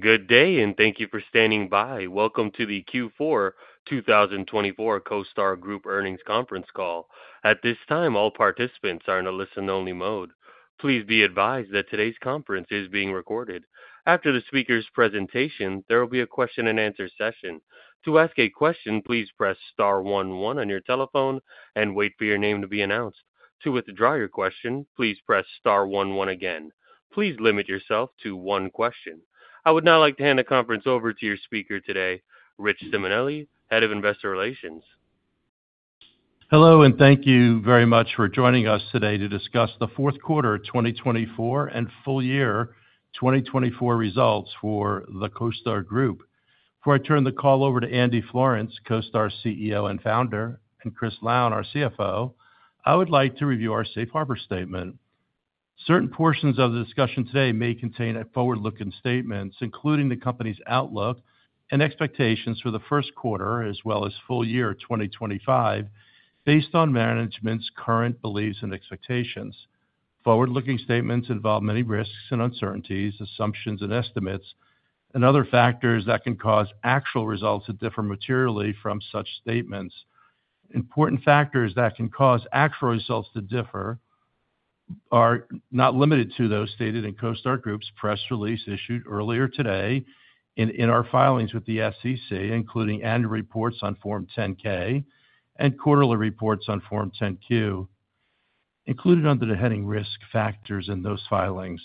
Good day, and thank you for standing by. Welcome to the Q4 2024 CoStar Group earnings conference call. At this time, all participants are in a listen-only mode. Please be advised that today's conference is being recorded. After the speaker's presentation, there will be a question-and-answer session. To ask a question, please press Star 11 on your telephone and wait for your name to be announced. To withdraw your question, please press Star 11 again. Please limit yourself to one question. I would now like to hand the conference over to your speaker today, Rich Simonelli, Head of Investor Relations. Hello, and thank you very much for joining us today to discuss the fourth quarter 2024 and full year 2024 results for the CoStar Group. Before I turn the call over to Andy Florance, CoStar CEO and Founder, and Chris Lown, our CFO, I would like to review our Safe Harbor statement. Certain portions of the discussion today may contain forward-looking statements, including the company's outlook and expectations for the first quarter as well as full year 2025, based on management's current beliefs and expectations. Forward-looking statements involve many risks and uncertainties, assumptions and estimates, and other factors that can cause actual results to differ materially from such statements. Important factors that can cause actual results to differ are not limited to those stated in CoStar Group's press release issued earlier today in our filings with the SEC, including annual reports on Form 10-K and quarterly reports on Form 10-Q, included under the heading Risk Factors in those filings,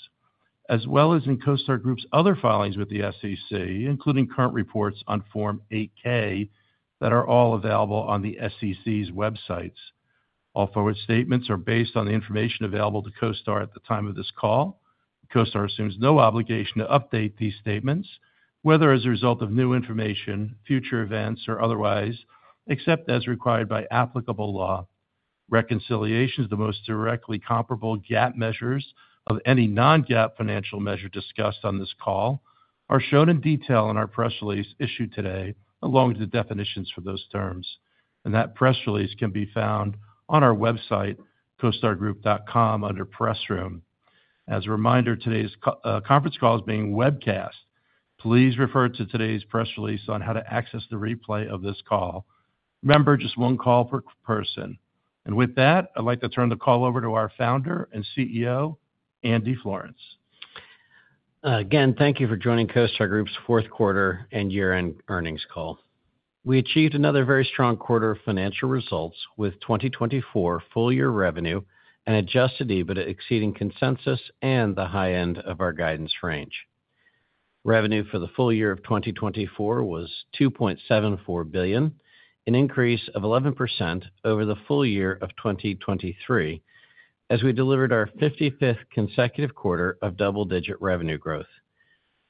as well as in CoStar Group's other filings with the SEC, including current reports on Form 8-K that are all available on the SEC's websites. All forward statements are based on the information available to CoStar at the time of this call. CoStar assumes no obligation to update these statements, whether as a result of new information, future events, or otherwise, except as required by applicable law. Reconciliation is the most directly comparable GAAP measures of any non-GAAP financial measure discussed on this call, as shown in detail in our press release issued today, along with the definitions for those terms. That press release can be found on our website, costargroup.com, under Press Room. As a reminder, today's conference call is being webcast. Please refer to today's press release on how to access the replay of this call. Remember, just one call per person. With that, I'd like to turn the call over to our Founder and CEO, Andy Florance. Again, thank you for joining CoStar Group's fourth quarter and year-end earnings call. We achieved another very strong quarter of financial results with 2024 full year revenue and adjusted EBITDA exceeding consensus and the high end of our guidance range. Revenue for the full year of 2024 was $2.74 billion, an increase of 11% over the full year of 2023, as we delivered our 55th consecutive quarter of double-digit revenue growth.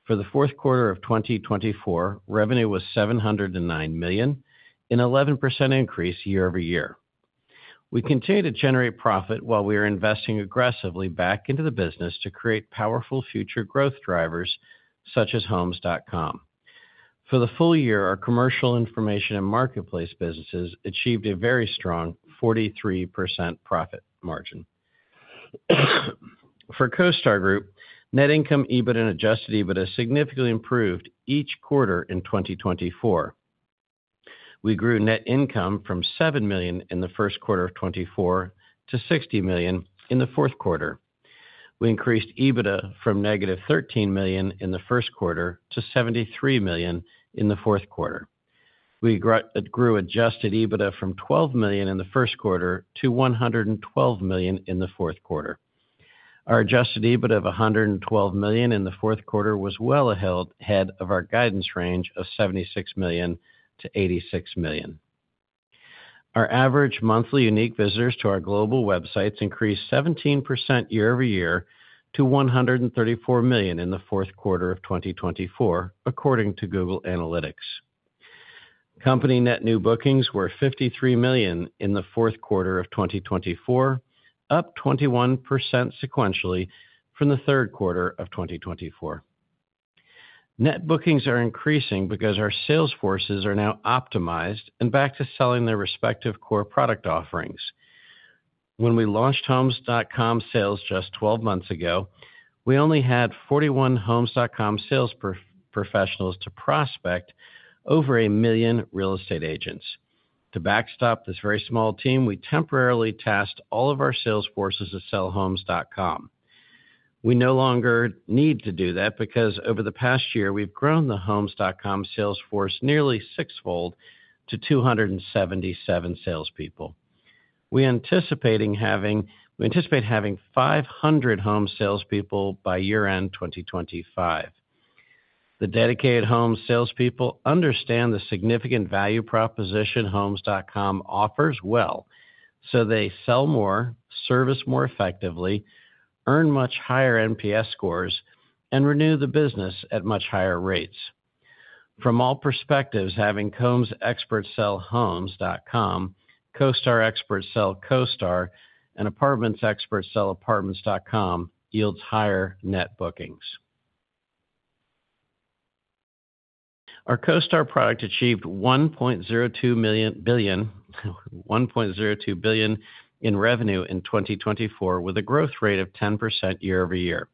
For the fourth quarter of 2024, revenue was $709 million, an 11% increase year over year. We continue to generate profit while we are investing aggressively back into the business to create powerful future growth drivers, such as Homes.com. For the full year, our commercial information and marketplace businesses achieved a very strong 43% profit margin. For CoStar Group, net income, EBITDA, and adjusted EBITDA significantly improved each quarter in 2024. We grew net income from $7 million in the first quarter of 2024 to $60 million in the fourth quarter. We increased EBITDA from negative $13 million in the first quarter to $73 million in the fourth quarter. We grew adjusted EBITDA from $12 million in the first quarter to $112 million in the fourth quarter. Our adjusted EBITDA of $112 million in the fourth quarter was well ahead of our guidance range of $76 million-$86 million. Our average monthly unique visitors to our global websites increased 17% year over year to 134 million in the fourth quarter of 2024, according to Google Analytics. Company net new bookings were $53 million in the fourth quarter of 2024, up 21% sequentially from the third quarter of 2024. Net bookings are increasing because our sales forces are now optimized and back to selling their respective core product offerings. When we launched Homes.com sales just 12 months ago, we only had 41 Homes.com sales professionals to prospect over a million real estate agents. To backstop this very small team, we temporarily tasked all of our sales forces to sell Homes.com. We no longer need to do that because over the past year, we've grown the Homes.com sales force nearly sixfold to 277 salespeople. We anticipate having 500 Homes salespeople by year-end 2025. The dedicated Homes salespeople understand the significant value proposition Homes.com offers well, so they sell more, service more effectively, earn much higher NPS scores, and renew the business at much higher rates. From all perspectives, having Homes experts sell Homes.com, CoStar experts sell CoStar, and Apartments experts sell Apartments.com yields higher net bookings. Our CoStar product achieved $1.02 billion in revenue in 2024, with a growth rate of 10% year over year.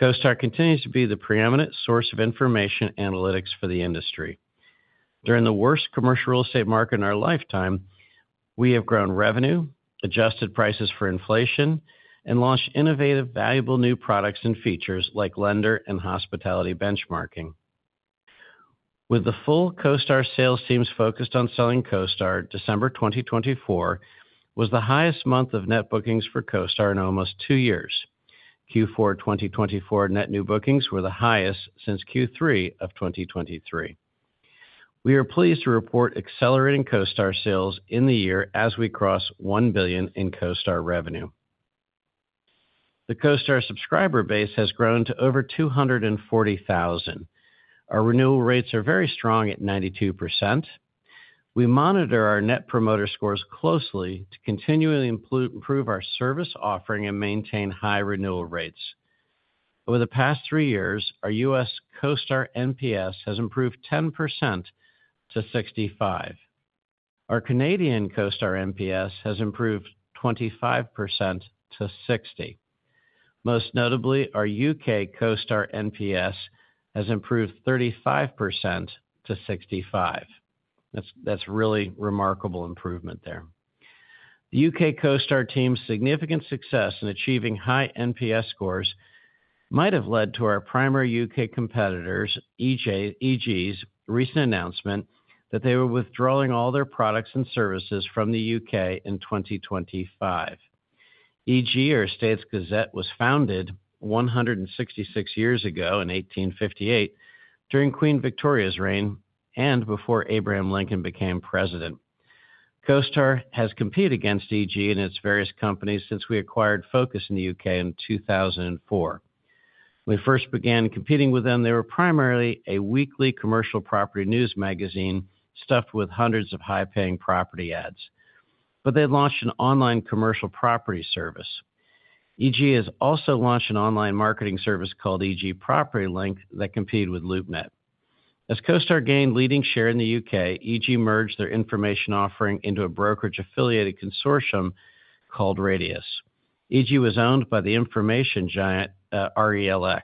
CoStar continues to be the preeminent source of information analytics for the industry. During the worst commercial real estate market in our lifetime, we have grown revenue, adjusted prices for inflation, and launched innovative, valuable new products and features like lender and hospitality benchmarking. With the full CoStar sales teams focused on selling CoStar, December 2024 was the highest month of net bookings for CoStar in almost two years. Q4 2024 net new bookings were the highest since Q3 of 2023. We are pleased to report accelerating CoStar sales in the year as we cross $1 billion in CoStar revenue. The CoStar subscriber base has grown to over 240,000. Our renewal rates are very strong at 92%. We monitor our Net Promoter Scores closely to continually improve our service offering and maintain high renewal rates. Over the past three years, our U.S. CoStar NPS has improved 10% to 65. Our Canadian CoStar NPS has improved 25% to 60. Most notably, our U.K. CoStar NPS has improved 35% to 65. That's a really remarkable improvement there. The U.K. CoStar team's significant success in achieving high NPS scores might have led to our primary U.K. competitors, e.g., EG's, recent announcement that they were withdrawing all their products and services from the U.K. in 2025. EG, Estates Gazette, was founded 166 years ago in 1858 during Queen Victoria's reign and before Abraham Lincoln became president. CoStar has competed against EG and its various companies since we acquired Focus in the U.K. in 2004. When we first began competing with them, they were primarily a weekly commercial property news magazine stuffed with hundreds of high-paying property ads. But they launched an online commercial property service. EG has also launched an online marketing service called EG Propertylink that competed with LoopNet. As CoStar gained leading share in the U.K., EG merged their information offering into a brokerage-affiliated consortium called Radius. EG was owned by the information giant RELX.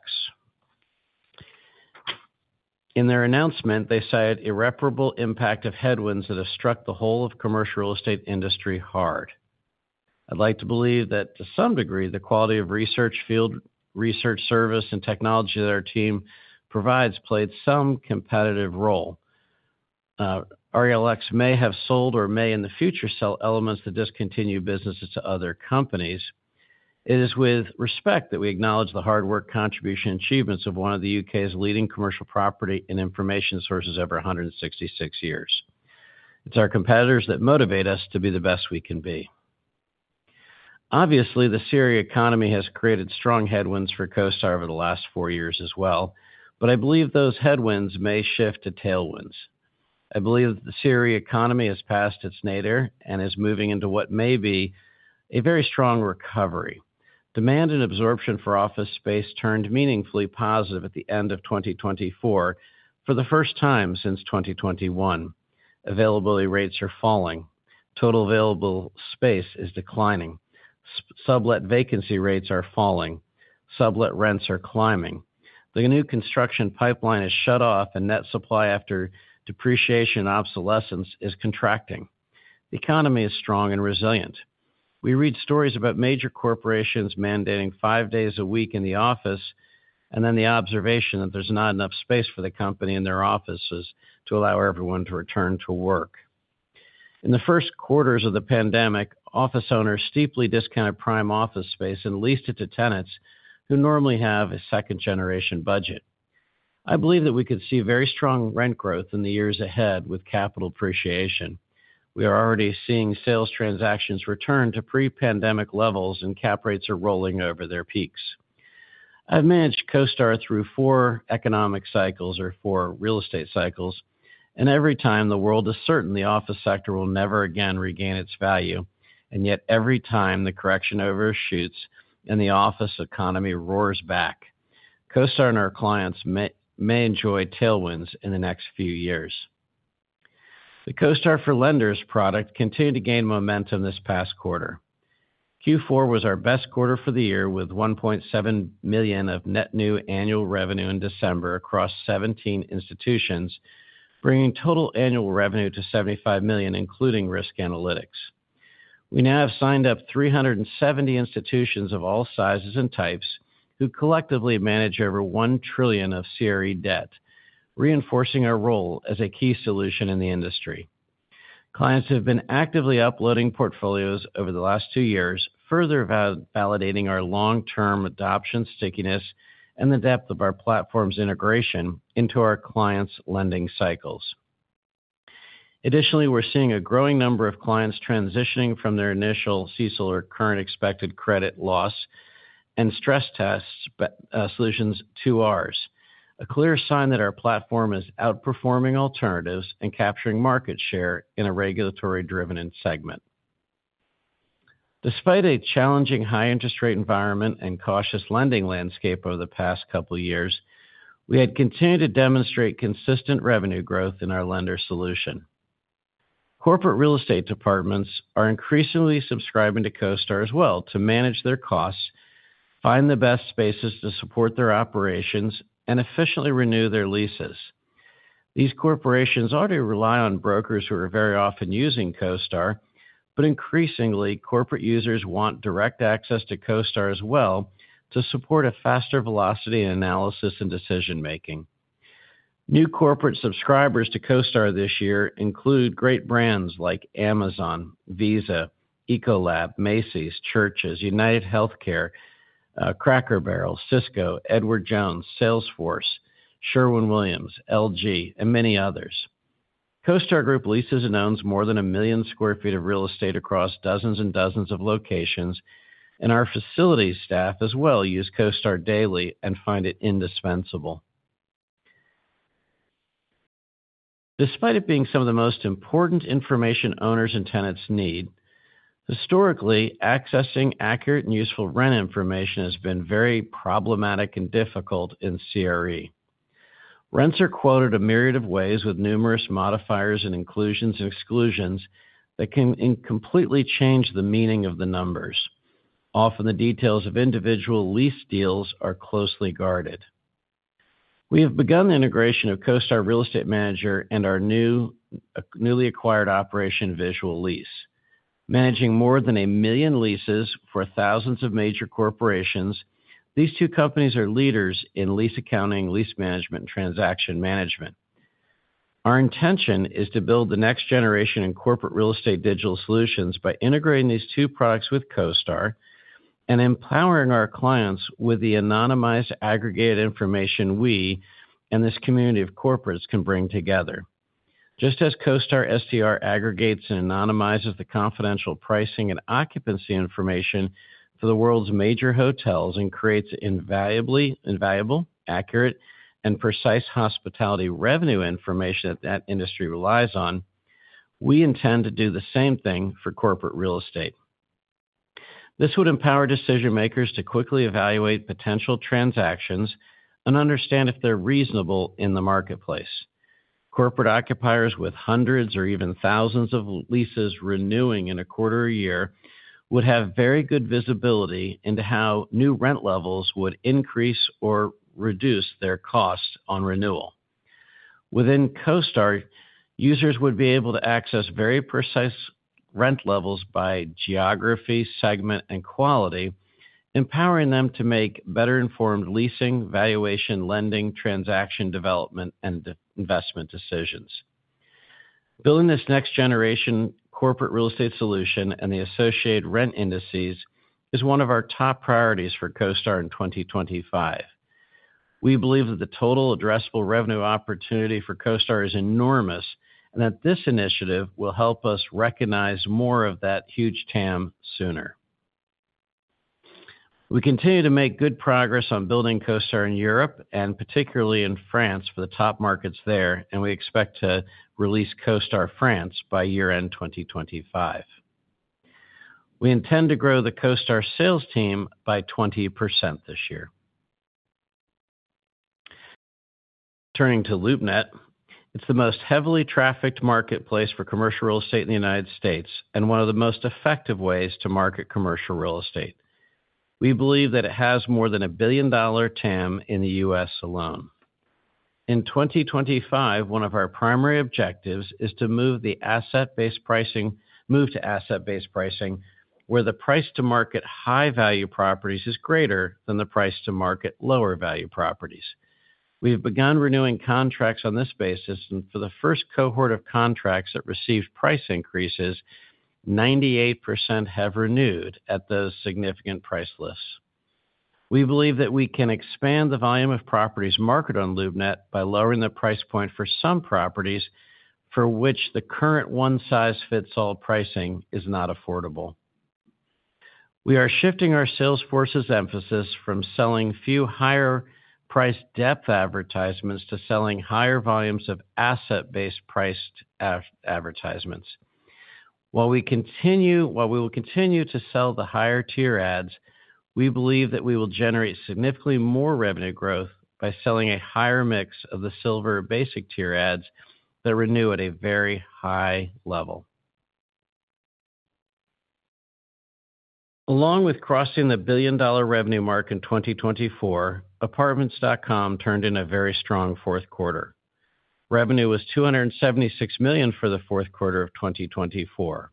In their announcement, they cited irreparable impact of headwinds that have struck the whole of the commercial real estate industry hard. I'd like to believe that, to some degree, the quality of research, field research service, and technology that our team provides played some competitive role. RELX may have sold or may in the future sell elements to discontinue businesses to other companies. It is with respect that we acknowledge the hard work, contribution, and achievements of one of the U.K.'s leading commercial property and information sources over 166 years. It's our competitors that motivate us to be the best we can be. Obviously, the CRE economy has created strong headwinds for CoStar over the last four years as well, but I believe those headwinds may shift to tailwinds. I believe that the CRE economy has passed its nadir and is moving into what may be a very strong recovery. Demand and absorption for office space turned meaningfully positive at the end of 2024 for the first time since 2021. Availability rates are falling. Total available space is declining. Sublet vacancy rates are falling. Sublet rents are climbing. The new construction pipeline is shut off, and net supply after depreciation and obsolescence is contracting. The economy is strong and resilient. We read stories about major corporations mandating five days a week in the office and then the observation that there's not enough space for the company in their offices to allow everyone to return to work. In the first quarters of the pandemic, office owners steeply discounted prime office space and leased it to tenants who normally have a second-generation budget. I believe that we could see very strong rent growth in the years ahead with capital appreciation. We are already seeing sales transactions return to pre-pandemic levels, and cap rates are rolling over their peaks. I've managed CoStar through four economic cycles or four real estate cycles, and every time, the world is certain the office sector will never again regain its value, and yet every time, the correction overshoots and the office economy roars back. CoStar and our clients may enjoy tailwinds in the next few years. The CoStar for Lenders product continued to gain momentum this past quarter. Q4 was our best quarter for the year with $1.7 million of net new annual revenue in December across 17 institutions, bringing total annual revenue to $75 million, including risk analytics. We now have signed up 370 institutions of all sizes and types who collectively manage over $1 trillion of CRE debt, reinforcing our role as a key solution in the industry. Clients have been actively uploading portfolios over the last two years, further validating our long-term adoption stickiness and the depth of our platform's integration into our clients' lending cycles. Additionally, we're seeing a growing number of clients transitioning from their initial CECL current expected credit loss and stress test solutions to ours, a clear sign that our platform is outperforming alternatives and capturing market share in a regulatory-driven segment. Despite a challenging high-interest rate environment and cautious lending landscape over the past couple of years, we had continued to demonstrate consistent revenue growth in our lender solution. Corporate real estate departments are increasingly subscribing to CoStar as well to manage their costs, find the best spaces to support their operations, and efficiently renew their leases. These corporations already rely on brokers who are very often using CoStar, but increasingly, corporate users want direct access to CoStar as well to support a faster velocity in analysis and decision-making. New corporate subscribers to CoStar this year include great brands like Amazon, Visa, Ecolab, Macy's, Church's, UnitedHealthcare, Cracker Barrel, Cisco, Edward Jones, Salesforce, Sherwin-Williams, LG, and many others. CoStar Group leases and owns more than a million sq ft of real estate across dozens and dozens of locations, and our facility staff as well use CoStar daily and find it indispensable. Despite it being some of the most important information owners and tenants need, historically, accessing accurate and useful rent information has been very problematic and difficult in CRE. Rents are quoted a myriad of ways with numerous modifiers and inclusions and exclusions that can completely change the meaning of the numbers. Often, the details of individual lease deals are closely guarded. We have begun the integration of CoStar Real Estate Manager and our newly acquired operation, Visual Lease. Managing more than a million leases for thousands of major corporations, these two companies are leaders in lease accounting, lease management, and transaction management. Our intention is to build the next generation in corporate real estate digital solutions by integrating these two products with CoStar and empowering our clients with the anonymized aggregated information we and this community of corporates can bring together. Just as CoStar STR aggregates and anonymizes the confidential pricing and occupancy information for the world's major hotels and creates invaluable, accurate, and precise hospitality revenue information that that industry relies on, we intend to do the same thing for corporate real estate. This would empower decision-makers to quickly evaluate potential transactions and understand if they're reasonable in the marketplace. Corporate occupiers with hundreds or even thousands of leases renewing in a quarter a year would have very good visibility into how new rent levels would increase or reduce their cost on renewal. Within CoStar, users would be able to access very precise rent levels by geography, segment, and quality, empowering them to make better-informed leasing, valuation, lending, transaction development, and investment decisions. Building this next-generation corporate real estate solution and the associated rent indices is one of our top priorities for CoStar in 2025. We believe that the total addressable revenue opportunity for CoStar is enormous and that this initiative will help us recognize more of that huge TAM sooner. We continue to make good progress on building CoStar in Europe and particularly in France for the top markets there, and we expect to release CoStar France by year-end 2025. We intend to grow the CoStar sales team by 20% this year. Turning to LoopNet, it's the most heavily trafficked marketplace for commercial real estate in the United States and one of the most effective ways to market commercial real estate. We believe that it has more than $1 billion TAM in the U.S. alone. In 2025, one of our primary objectives is to move to asset-based pricing where the price to market high-value properties is greater than the price to market lower-value properties. We have begun renewing contracts on this basis, and for the first cohort of contracts that received price increases, 98% have renewed at those significant price lists. We believe that we can expand the volume of properties marketed on LoopNet by lowering the price point for some properties for which the current one-size-fits-all pricing is not affordable. We are shifting our sales force's emphasis from selling few higher-priced depth advertisements to selling higher volumes of asset-based priced advertisements. While we will continue to sell the higher-tier ads, we believe that we will generate significantly more revenue growth by selling a higher mix of the Silver basic-tier ads that renew at a very high level. Along with crossing the $1 billion revenue mark in 2024, Apartments.com turned in a very strong fourth quarter. Revenue was $276 million for the fourth quarter of 2024.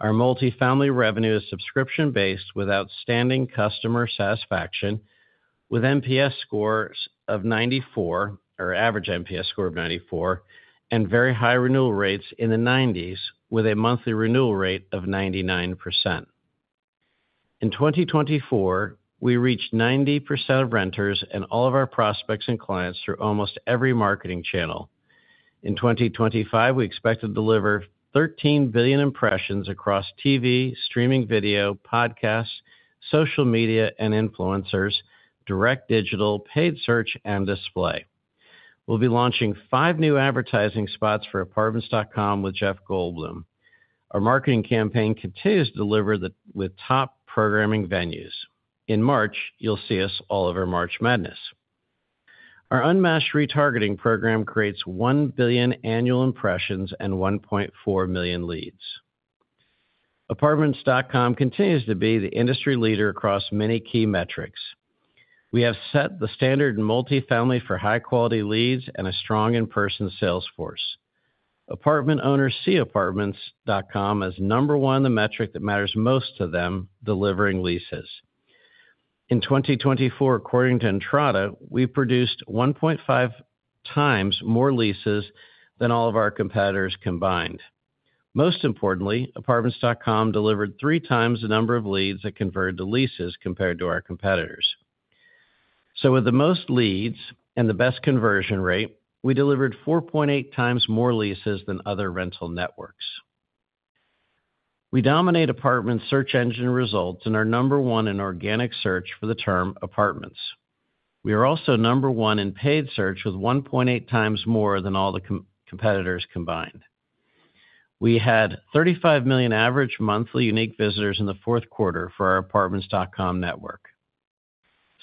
Our multifamily revenue is subscription-based with outstanding customer satisfaction, with NPS scores of 94, our average NPS score of 94, and very high renewal rates in the 90s with a monthly renewal rate of 99%. In 2024, we reached 90% of renters and all of our prospects and clients through almost every marketing channel. In 2025, we expect to deliver 13 billion impressions across TV, streaming video, podcasts, social media, and influencers, direct digital, paid search, and display. We'll be launching five new advertising spots for Apartments.com with Jeff Goldblum. Our marketing campaign continues to deliver with top programming venues. In March, you'll see us all over March Madness. Our unmatched retargeting program creates 1 billion annual impressions and 1.4 million leads. Apartments.com continues to be the industry leader across many key metrics. We have set the standard in multifamily for high-quality leads and a strong in-person sales force. Apartment owners see Apartments.com as number one in the metric that matters most to them, delivering leases. In 2024, according to Entrata, we produced 1.5x more leases than all of our competitors combined. Most importantly, Apartments.com delivered 3x the number of leads that converted to leases compared to our competitors. So, with the most leads and the best conversion rate, we delivered 4.8x more leases than other rental networks. We dominate Apartments.com's search engine results and are number one in organic search for the term "apartments." We are also number one in paid search with 1.8x more than all the competitors combined. We had 35 million average monthly unique visitors in the fourth quarter for our Apartments.com network.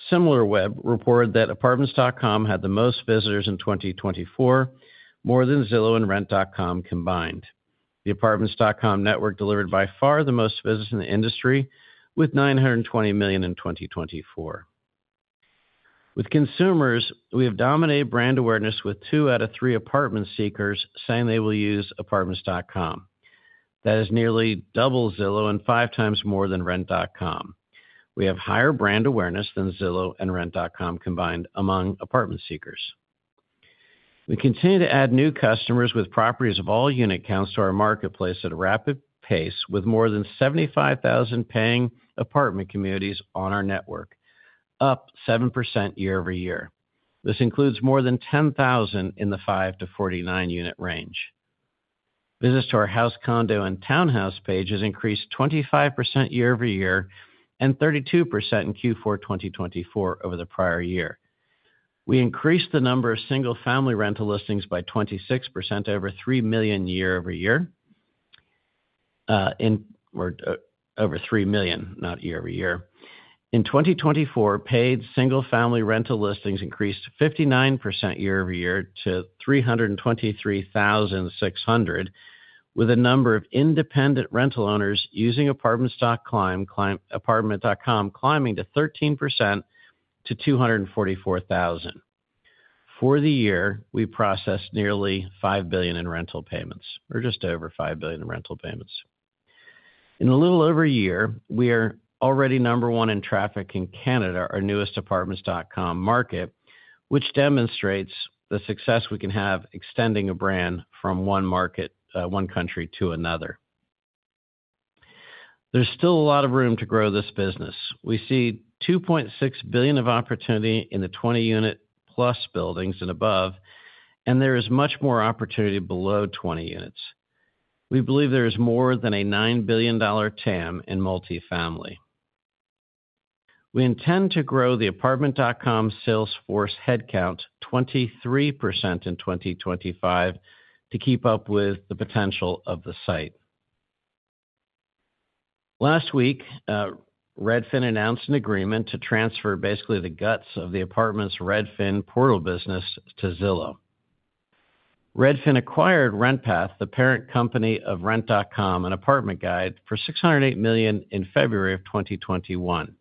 SimilarWeb reported that Apartments.com had the most visitors in 2024, more than Zillow and Rent.com combined. The Apartments.com network delivered by far the most visits in the industry with $920 million in 2024. With consumers, we have dominated brand awareness with two out of three apartment seekers saying they will use Apartments.com. That is nearly double Zillow and 5x more than Rent.com. We have higher brand awareness than Zillow and Rent.com combined among apartment seekers. We continue to add new customers with properties of all unit counts to our marketplace at a rapid pace, with more than 75,000 paying apartment communities on our network, up 7% year over year. This includes more than 10,000 in the 5-49 unit range. Visits to our house, condo, and townhouse page have increased 25% year over year and 32% in Q4 2024 over the prior year. We increased the number of single-family rental listings by 26% over 3 million year over year, or over 3 million, not year over year. In 2024, paid single-family rental listings increased 59% year over year to 323,600, with a number of independent rental owners using Apartments.com climbing to 13% to 244,000. For the year, we processed nearly $5 billion in rental payments, or just over $5 billion in rental payments. In a little over a year, we are already number one in traffic in Canada, our newest Apartments.com market, which demonstrates the success we can have extending a brand from one market, one country to another. There's still a lot of room to grow this business. We see $2.6 billion of opportunity in the 20-unit+ buildings and above, and there is much more opportunity below 20 units. We believe there is more than a $9 billion TAM in multifamily. We intend to grow the Apartments.com salesforce headcount 23% in 2025 to keep up with the potential of the site. Last week, Redfin announced an agreement to transfer basically the guts of the Apartments Redfin portal business to Zillow. Redfin acquired RentPath, the parent company of Rent.com and ApartmentGuide, for $608 million in February of 2021.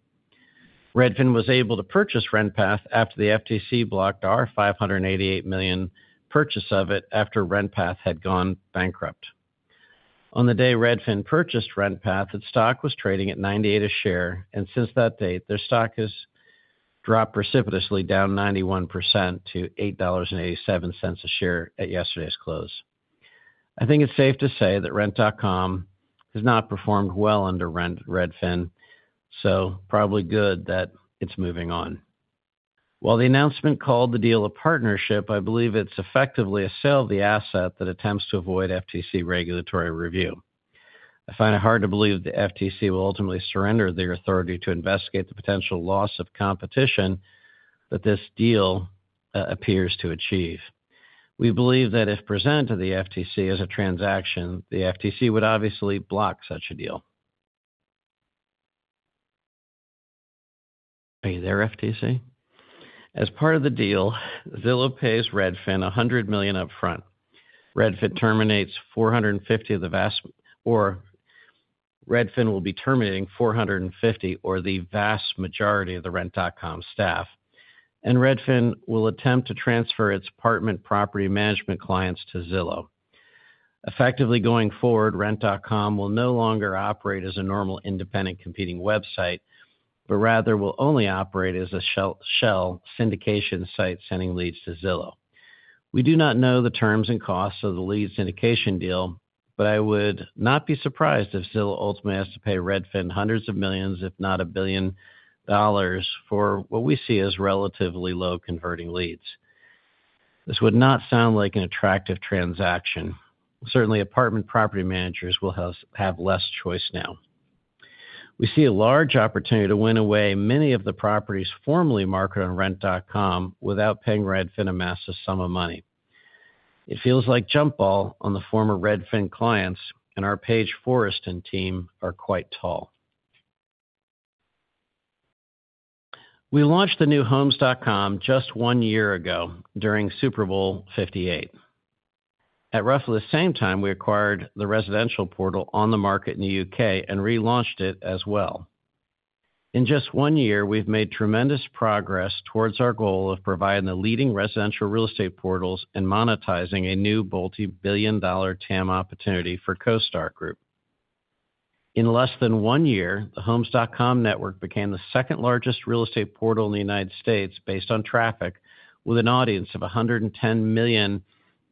Redfin was able to purchase RentPath after the FTC blocked our $588 million purchase of it after RentPath had gone bankrupt. On the day Redfin purchased RentPath, its stock was trading at $98 a share, and since that date, their stock has dropped precipitously down 91% to $8.87 a share at yesterday's close. I think it's safe to say that Rent.com has not performed well under Redfin, so probably good that it's moving on. While the announcement called the deal a partnership, I believe it's effectively a sale of the asset that attempts to avoid FTC regulatory review. I find it hard to believe that the FTC will ultimately surrender their authority to investigate the potential loss of competition that this deal appears to achieve. We believe that if presented to the FTC as a transaction, the FTC would obviously block such a deal. Are you there, FTC? As part of the deal, Zillow pays Redfin $100 million upfront. Redfin will be terminating 450, or the vast majority, of the Rent.com staff, and Redfin will attempt to transfer its apartment property management clients to Zillow. Effectively going forward, Rent.com will no longer operate as a normal independent competing website, but rather will only operate as a shell syndication site sending leads to Zillow. We do not know the terms and costs of the lead syndication deal, but I would not be surprised if Zillow ultimately has to pay Redfin hundreds of millions, if not $1 billion, for what we see as relatively low converting leads. This would not sound like an attractive transaction. Certainly, apartment property managers will have less choice now. We see a large opportunity to win away many of the properties formerly marketed on Rent.com without paying Redfin a massive sum of money. It feels like jump ball on the former Redfin clients and our Paige Forrest team are quite tall. We launched the new Homes.com just one year ago during Super Bowl LVIII. At roughly the same time, we acquired the residential portal OnTheMarket in the U.K. and relaunched it as well. In just one year, we've made tremendous progress towards our goal of providing the leading residential real estate portals and monetizing a new multi-billion dollar TAM opportunity for CoStar Group. In less than one year, the Homes.com network became the second largest real estate portal in the United States based on traffic, with an audience of 110 million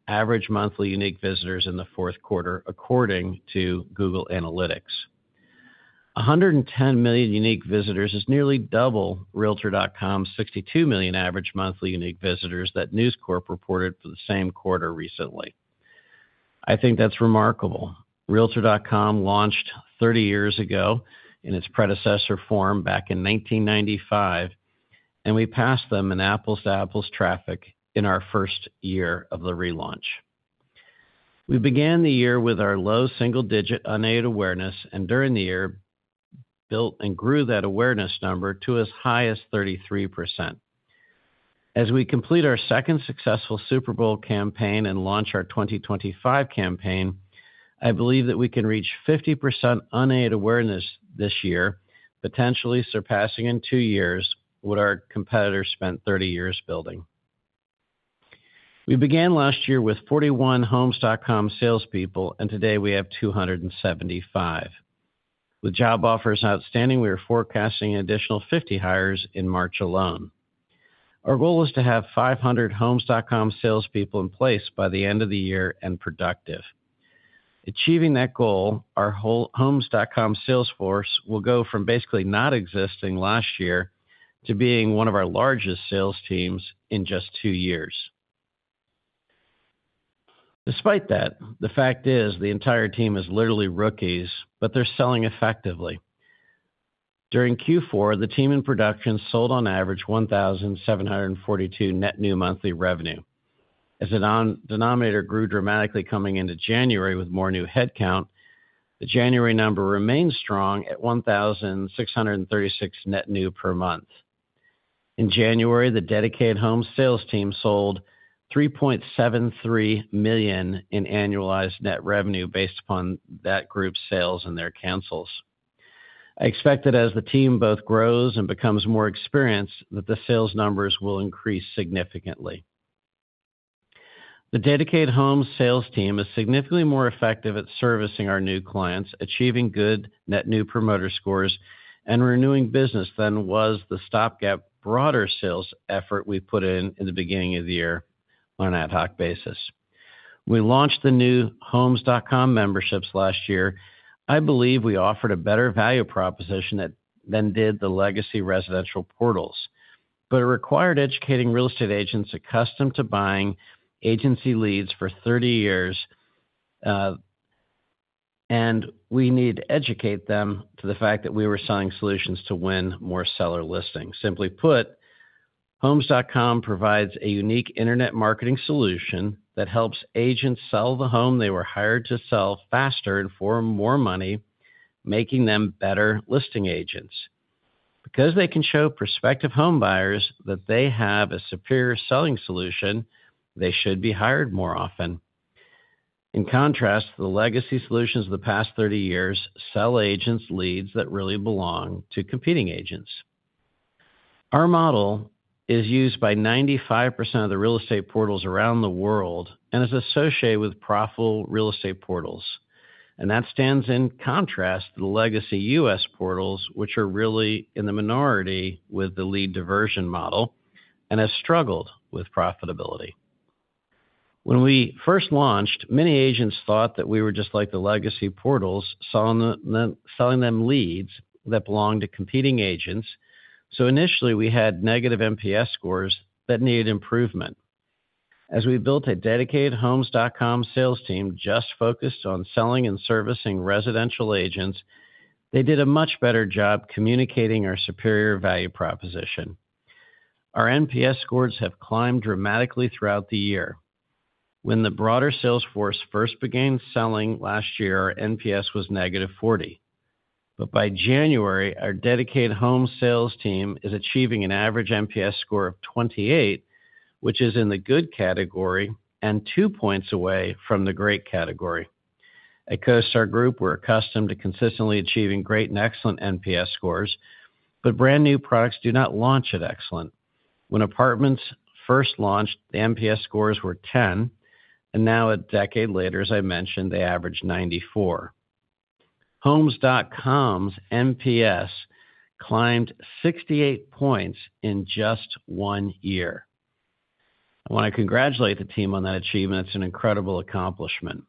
average monthly unique visitors in the fourth quarter, according to Google Analytics. 110 million unique visitors is nearly double Realtor.com's 62 million average monthly unique visitors that News Corp reported for the same quarter recently. I think that's remarkable. Realtor.com launched 30 years ago in its predecessor form back in 1995, and we passed them in apples-to-apples traffic in our first year of the relaunch. We began the year with our low single-digit unaided awareness, and during the year, built and grew that awareness number to as high as 33%. As we complete our second successful Super Bowl campaign and launch our 2025 campaign, I believe that we can reach 50% unaided awareness this year, potentially surpassing in two years what our competitors spent 30 years building. We began last year with 41 Homes.com salespeople, and today we have 275. With job offers outstanding, we are forecasting an additional 50 hires in March alone. Our goal is to have 500 Homes.com salespeople in place by the end of the year and productive. Achieving that goal, our Homes.com sales force will go from basically not existing last year to being one of our largest sales teams in just two years. Despite that, the fact is the entire team is literally rookies, but they're selling effectively. During Q4, the team in production sold on average 1,742 net new monthly revenue. As the denominator grew dramatically coming into January with more new headcount, the January number remained strong at 1,636 net new per month. In January, the Dedicated Homes sales team sold $3.73 million in annualized net revenue based upon that group's sales and their cancels. I expect that as the team both grows and becomes more experienced, that the sales numbers will increase significantly. The Dedicated Homes sales team is significantly more effective at servicing our new clients, achieving good net new promoter scores, and renewing business than was the stopgap broader sales effort we put in in the beginning of the year on an ad hoc basis. When we launched the new Homes.com memberships last year, I believe we offered a better value proposition than did the legacy residential portals, but it required educating real estate agents accustomed to buying agency leads for 30 years, and we need to educate them to the fact that we were selling solutions to win more seller listings. Simply put, Homes.com provides a unique internet marketing solution that helps agents sell the home they were hired to sell faster and for more money, making them better listing agents. Because they can show prospective home buyers that they have a superior selling solution, they should be hired more often. In contrast, the legacy solutions of the past 30 years sell agents leads that really belong to competing agents. Our model is used by 95% of the real estate portals around the world and is associated with profitable real estate portals, and that stands in contrast to the legacy U.S. portals, which are really in the minority with the lead diversion model and have struggled with profitability. When we first launched, many agents thought that we were just like the legacy portals, selling them leads that belonged to competing agents. So initially, we had negative NPS scores that needed improvement. As we built a dedicated Homes.com sales team just focused on selling and servicing residential agents, they did a much better job communicating our superior value proposition. Our NPS scores have climbed dramatically throughout the year. When the broader sales force first began selling last year, our NPS was negative 40. But by January, our Dedicated Homes sales team is achieving an average NPS score of 28, which is in the good category and two points away from the great category. At CoStar Group, we're accustomed to consistently achieving great and excellent NPS scores, but brand new products do not launch at excellent. When apartments first launched, the NPS scores were 10, and now a decade later, as I mentioned, they average 94. Homes.com's NPS climbed 68 points in just one year. I want to congratulate the team on that achievement. It's an incredible accomplishment.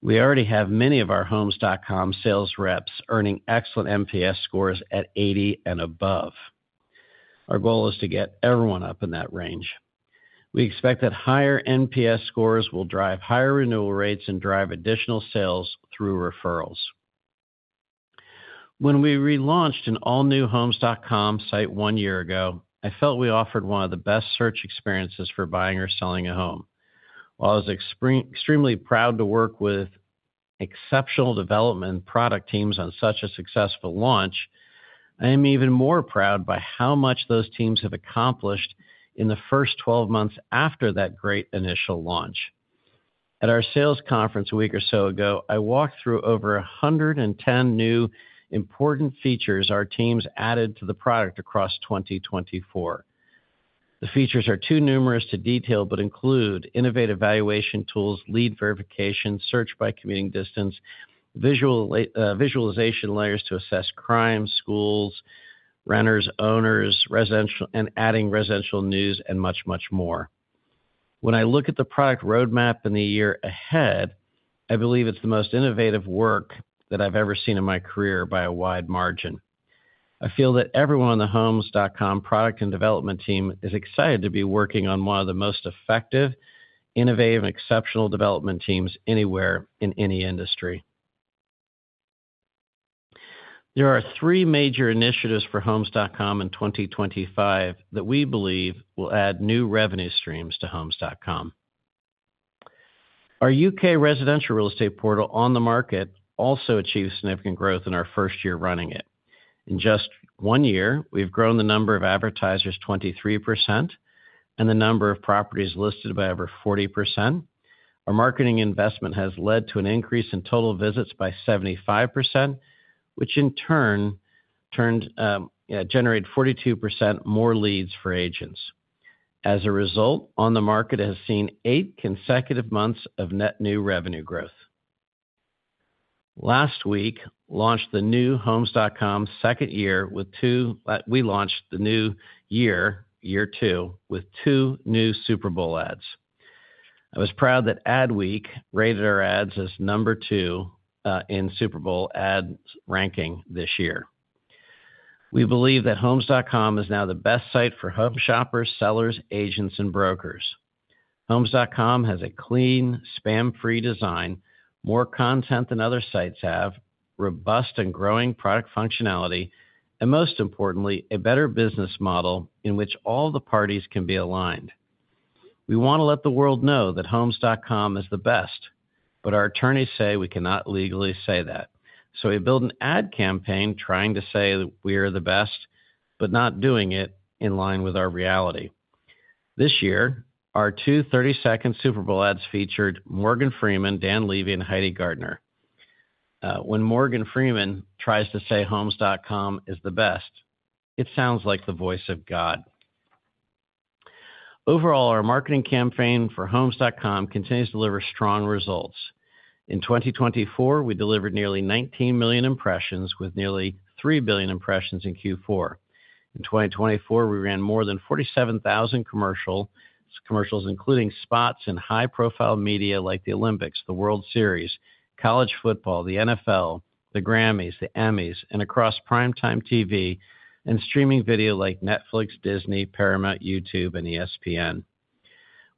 We already have many of our Homes.com sales reps earning excellent NPS scores at 80 and above. Our goal is to get everyone up in that range. We expect that higher NPS scores will drive higher renewal rates and drive additional sales through referrals. When we relaunched an all-new Homes.com site one year ago, I felt we offered one of the best search experiences for buying or selling a home. While I was extremely proud to work with exceptional development and product teams on such a successful launch, I am even more proud by how much those teams have accomplished in the first 12 months after that great initial launch. At our sales conference a week or so ago, I walked through over 110 new important features our teams added to the product across 2024. The features are too numerous to detail, but include innovative evaluation tools, lead verification, search by commuting distance, visualization layers to assess crime, schools, renters, owners, and adding residential news, and much, much more. When I look at the product roadmap in the year ahead, I believe it's the most innovative work that I've ever seen in my career by a wide margin. I feel that everyone on the Homes.com product and development team is excited to be working on one of the most effective, innovative, and exceptional development teams anywhere in any industry. There are three major initiatives for Homes.com in 2025 that we believe will add new revenue streams to Homes.com. Our U.K. residential real estate portal OnTheMarket also achieved significant growth in our first year running it. In just one year, we've grown the number of advertisers 23% and the number of properties listed by over 40%. Our marketing investment has led to an increase in total visits by 75%, which in turn generated 42% more leads for agents. As a result, OnTheMarket, it has seen eight consecutive months of net new revenue growth. Last week, we launched the new Homes.com second year, year two, with two new Super Bowl ads. I was proud that Adweek rated our ads as number two in Super Bowl ad ranking this year. We believe that Homes.com is now the best site for home shoppers, sellers, agents, and brokers. Homes.com has a clean, spam-free design, more content than other sites have, robust and growing product functionality, and most importantly, a better business model in which all the parties can be aligned. We want to let the world know that Homes.com is the best, but our attorneys say we cannot legally say that. So we built an ad campaign trying to say we are the best, but not doing it in line with our reality. This year, our two 30-second Super Bowl ads featured Morgan Freeman, Dan Levy, and Heidi Gardner. When Morgan Freeman tries to say Homes.com is the best, it sounds like the voice of God. Overall, our marketing campaign for Homes.com continues to deliver strong results. In 2024, we delivered nearly 19 million impressions with nearly 3 billion impressions in Q4. In 2024, we ran more than 47,000 commercials, including spots in high-profile media like the Olympics, the World Series, college football, the NFL, the Grammys, the Emmys, and across primetime TV and streaming video like Netflix, Disney, Paramount, YouTube, and ESPN.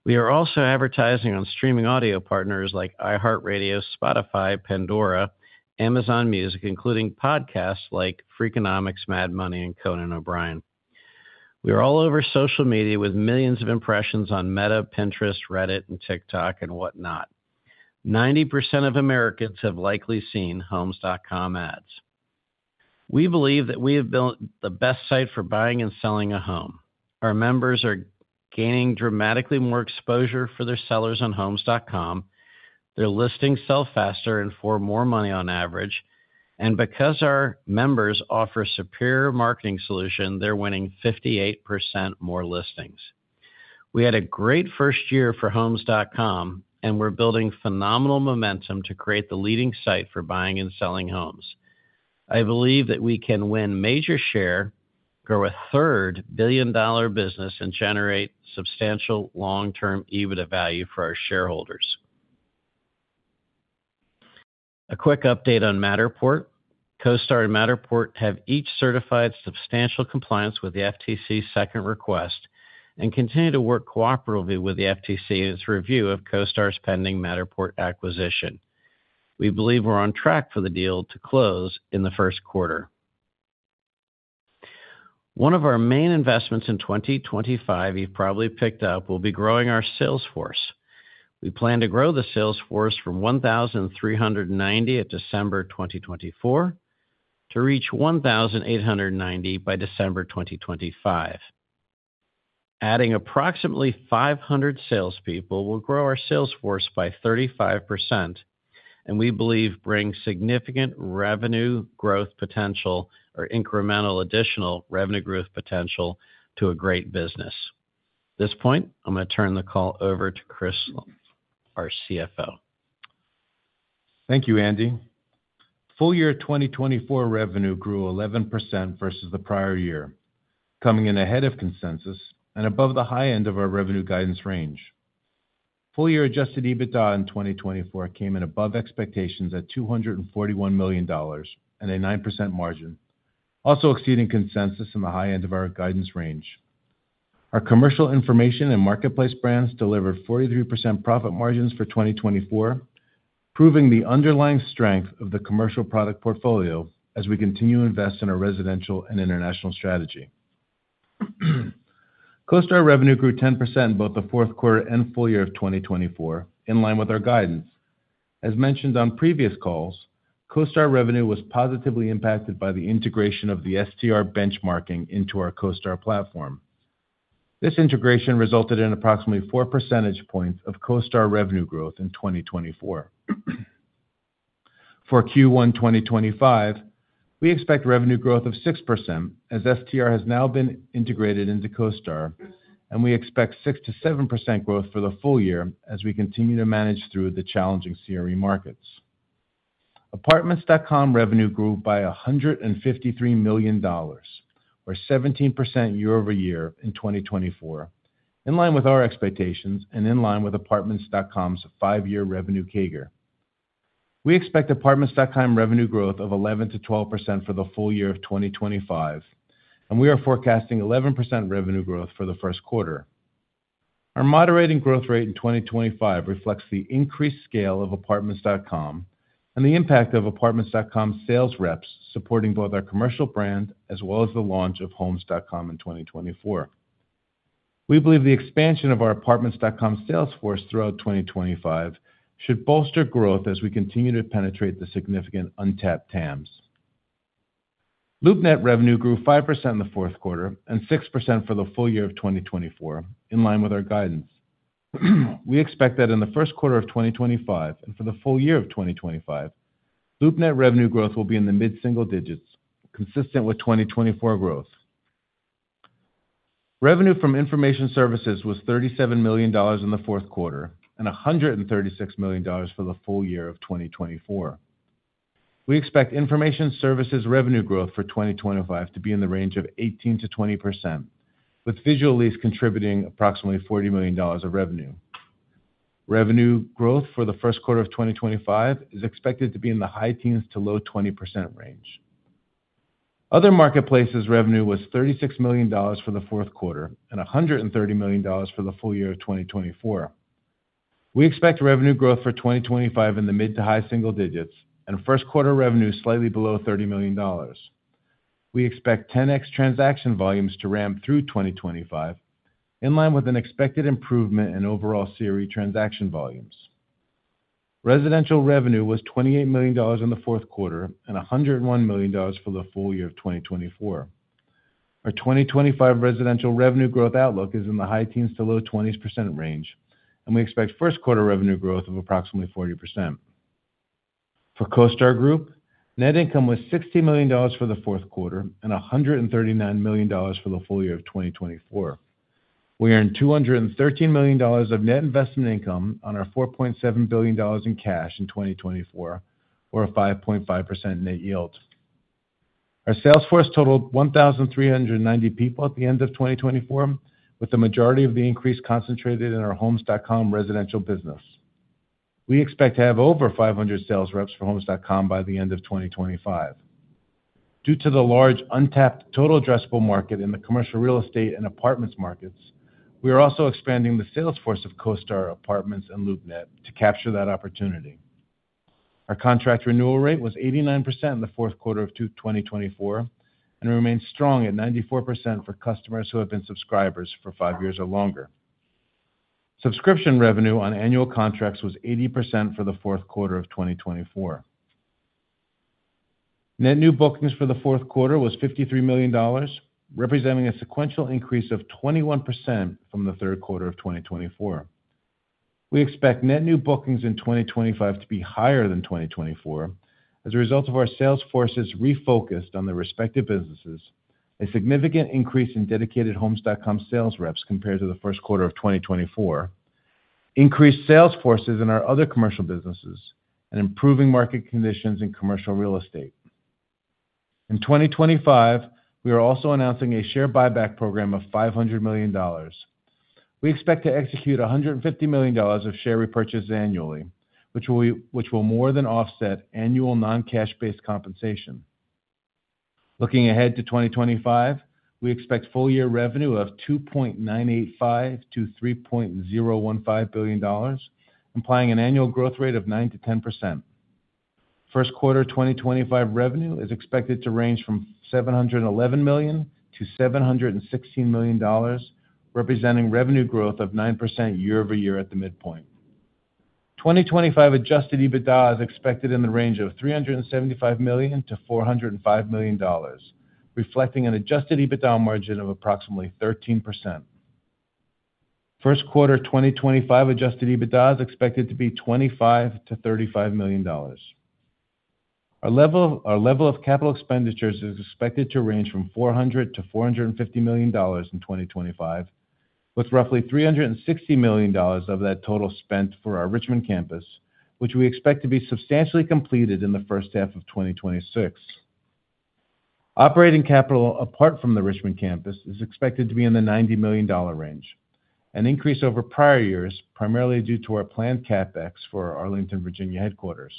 We are also advertising on streaming audio partners like iHeartRadio, Spotify, Pandora, Amazon Music, including podcasts like Freakonomics, Mad Money, and Conan O'Brien. We are all over social media with millions of impressions on Meta, Pinterest, Reddit, and TikTok, and whatnot. 90% of Americans have likely seen Homes.com ads. We believe that we have built the best site for buying and selling a home. Our members are gaining dramatically more exposure for their sellers on Homes.com. Their listings sell faster and for more money on average. And because our members offer a superior marketing solution, they're winning 58% more listings. We had a great first year for Homes.com, and we're building phenomenal momentum to create the leading site for buying and selling homes. I believe that we can win major share, grow a third billion-dollar business, and generate substantial long-term EBITDA value for our shareholders. A quick update on Matterport. CoStar and Matterport have each certified substantial compliance with the FTC's second request and continue to work cooperatively with the FTC in its review of CoStar's pending Matterport acquisition. We believe we're on track for the deal to close in the first quarter. One of our main investments in 2025, you've probably picked up, will be growing our sales force. We plan to grow the sales force from 1,390 at December 2024 to reach 1,890 by December 2025. Adding approximately 500 salespeople will grow our sales force by 35%, and we believe brings significant revenue growth potential or incremental additional revenue growth potential to a great business. At this point, I'm going to turn the call over to Chris, our CFO. Thank you, Andy. Full year 2024 revenue grew 11% versus the prior year, coming in ahead of consensus and above the high end of our revenue guidance range. Full year Adjusted EBITDA in 2024 came in above expectations at $241 million and a 9% margin, also exceeding consensus in the high end of our guidance range. Our commercial information and marketplace brands delivered 43% profit margins for 2024, proving the underlying strength of the commercial product portfolio as we continue to invest in our residential and international strategy. CoStar revenue grew 10% in both the fourth quarter and full year of 2024, in line with our guidance. As mentioned on previous calls, CoStar revenue was positively impacted by the integration of the STR benchmarking into our CoStar platform. This integration resulted in approximately 4 percentage points of CoStar revenue growth in 2024. For Q1 2025, we expect revenue growth of 6% as STR has now been integrated into CoStar, and we expect 6%-7% growth for the full year as we continue to manage through the challenging CRE markets. Apartments.com revenue grew by $153 million, or 17% year over year in 2024, in line with our expectations and in line with Apartments.com's five-year revenue CAGR. We expect Apartments.com revenue growth of 11%-12% for the full year of 2025, and we are forecasting 11% revenue growth for the first quarter. Our moderating growth rate in 2025 reflects the increased scale of Apartments.com and the impact of Apartments.com sales reps supporting both our commercial brand as well as the launch of Homes.com in 2024. We believe the expansion of our Apartments.com sales force throughout 2025 should bolster growth as we continue to penetrate the significant untapped TAMs. LoopNet revenue grew 5% in the fourth quarter and 6% for the full year of 2024, in line with our guidance. We expect that in the first quarter of 2025 and for the full year of 2025, LoopNet revenue growth will be in the mid-single digits, consistent with 2024 growth. Revenue from information services was $37 million in the fourth quarter and $136 million for the full year of 2024. We expect Information Services revenue growth for 2025 to be in the range of 18%-20%, with Visual Lease contributing approximately $40 million of revenue. Revenue growth for the first quarter of 2025 is expected to be in the high teens to low 20% range. Other marketplaces' revenue was $36 million for the fourth quarter and $130 million for the full year of 2024. We expect revenue growth for 2025 in the mid to high single digits and first quarter revenue slightly below $30 million. We expect Ten-X transaction volumes to ramp through 2025, in line with an expected improvement in overall CRE transaction volumes. Residential revenue was $28 million in the fourth quarter and $101 million for the full year of 2024. Our 2025 residential revenue growth outlook is in the high teens to low 20% range, and we expect first quarter revenue growth of approximately 40%. For CoStar Group, net income was $60 million for the fourth quarter and $139 million for the full year of 2024. We earned $213 million of net investment income on our $4.7 billion in cash in 2024, or a 5.5% net yield. Our sales force totaled 1,390 people at the end of 2024, with the majority of the increase concentrated in our Homes.com residential business. We expect to have over 500 sales reps for Homes.com by the end of 2025. Due to the large untapped total addressable market in the commercial real estate and apartments markets, we are also expanding the sales force of CoStar, Apartments.com, and LoopNet to capture that opportunity. Our contract renewal rate was 89% in the fourth quarter of 2024 and remained strong at 94% for customers who have been subscribers for five years or longer. Subscription revenue on annual contracts was 80% for the fourth quarter of 2024. Net new bookings for the fourth quarter was $53 million, representing a sequential increase of 21% from the third quarter of 2024. We expect net new bookings in 2025 to be higher than 2024 as a result of our sales force's refocus on the respective businesses, a significant increase in dedicated Homes.com sales reps compared to the first quarter of 2024, increased sales force's in our other commercial businesses, and improving market conditions in commercial real estate. In 2025, we are also announcing a share buyback program of $500 million. We expect to execute $150 million of share repurchase annually, which will more than offset annual non-cash-based compensation. Looking ahead to 2025, we expect full year revenue of $2.985 billion-$3.015 billion, implying an annual growth rate of 9%-10%. First quarter 2025 revenue is expected to range from $711 million-$716 million, representing revenue growth of 9% year over year at the midpoint. 2025 adjusted EBITDA is expected in the range of $375 million-$405 million, reflecting an adjusted EBITDA margin of approximately 13%. First quarter 2025 adjusted EBITDA is expected to be $25 million-$35 million. Our level of capital expenditures is expected to range from $400 million-$450 million in 2025, with roughly $360 million of that total spent for our Richmond campus, which we expect to be substantially completed in the first half of 2026. Operating capital apart from the Richmond campus is expected to be in the $90 million range, an increase over prior years, primarily due to our planned CapEx for Arlington, Virginia headquarters.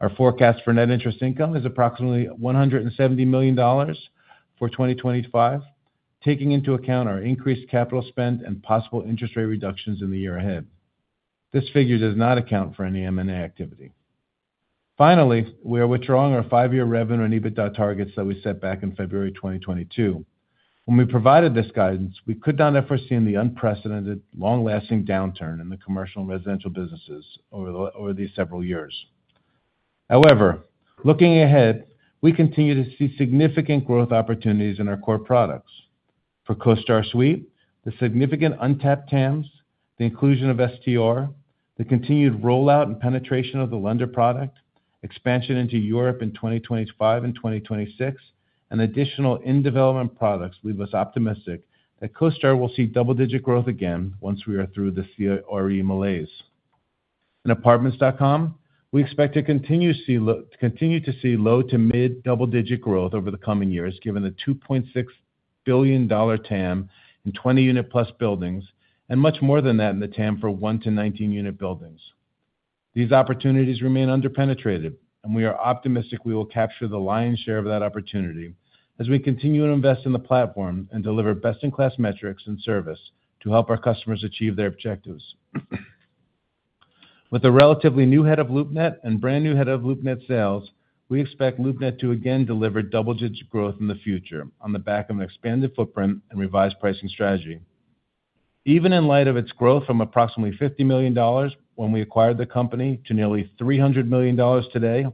Our forecast for net interest income is approximately $170 million for 2025, taking into account our increased capital spend and possible interest rate reductions in the year ahead. This figure does not account for any M&A activity. Finally, we are withdrawing our five-year revenue and EBITDA targets that we set back in February 2022. When we provided this guidance, we could not have foreseen the unprecedented long-lasting downturn in the commercial and residential businesses over these several years. However, looking ahead, we continue to see significant growth opportunities in our core products. For CoStar Suite, the significant untapped TAMs, the inclusion of STR, the continued rollout and penetration of the lender product, expansion into Europe in 2025 and 2026, and additional in-development products leave us optimistic that CoStar will see double-digit growth again once we are through the CRE malaise. In Apartments.com, we expect to continue to see low to mid double-digit growth over the coming years, given the $2.6 billion TAM in 20-unit+ buildings and much more than that in the TAM for 1 to 19-unit buildings. These opportunities remain under-penetrated, and we are optimistic we will capture the lion's share of that opportunity as we continue to invest in the platform and deliver best-in-class metrics and service to help our customers achieve their objectives. With a relatively new head of LoopNet and brand new head of LoopNet sales, we expect LoopNet to again deliver double-digit growth in the future on the back of an expanded footprint and revised pricing strategy. Even in light of its growth from approximately $50 million when we acquired the company to nearly $300 million today,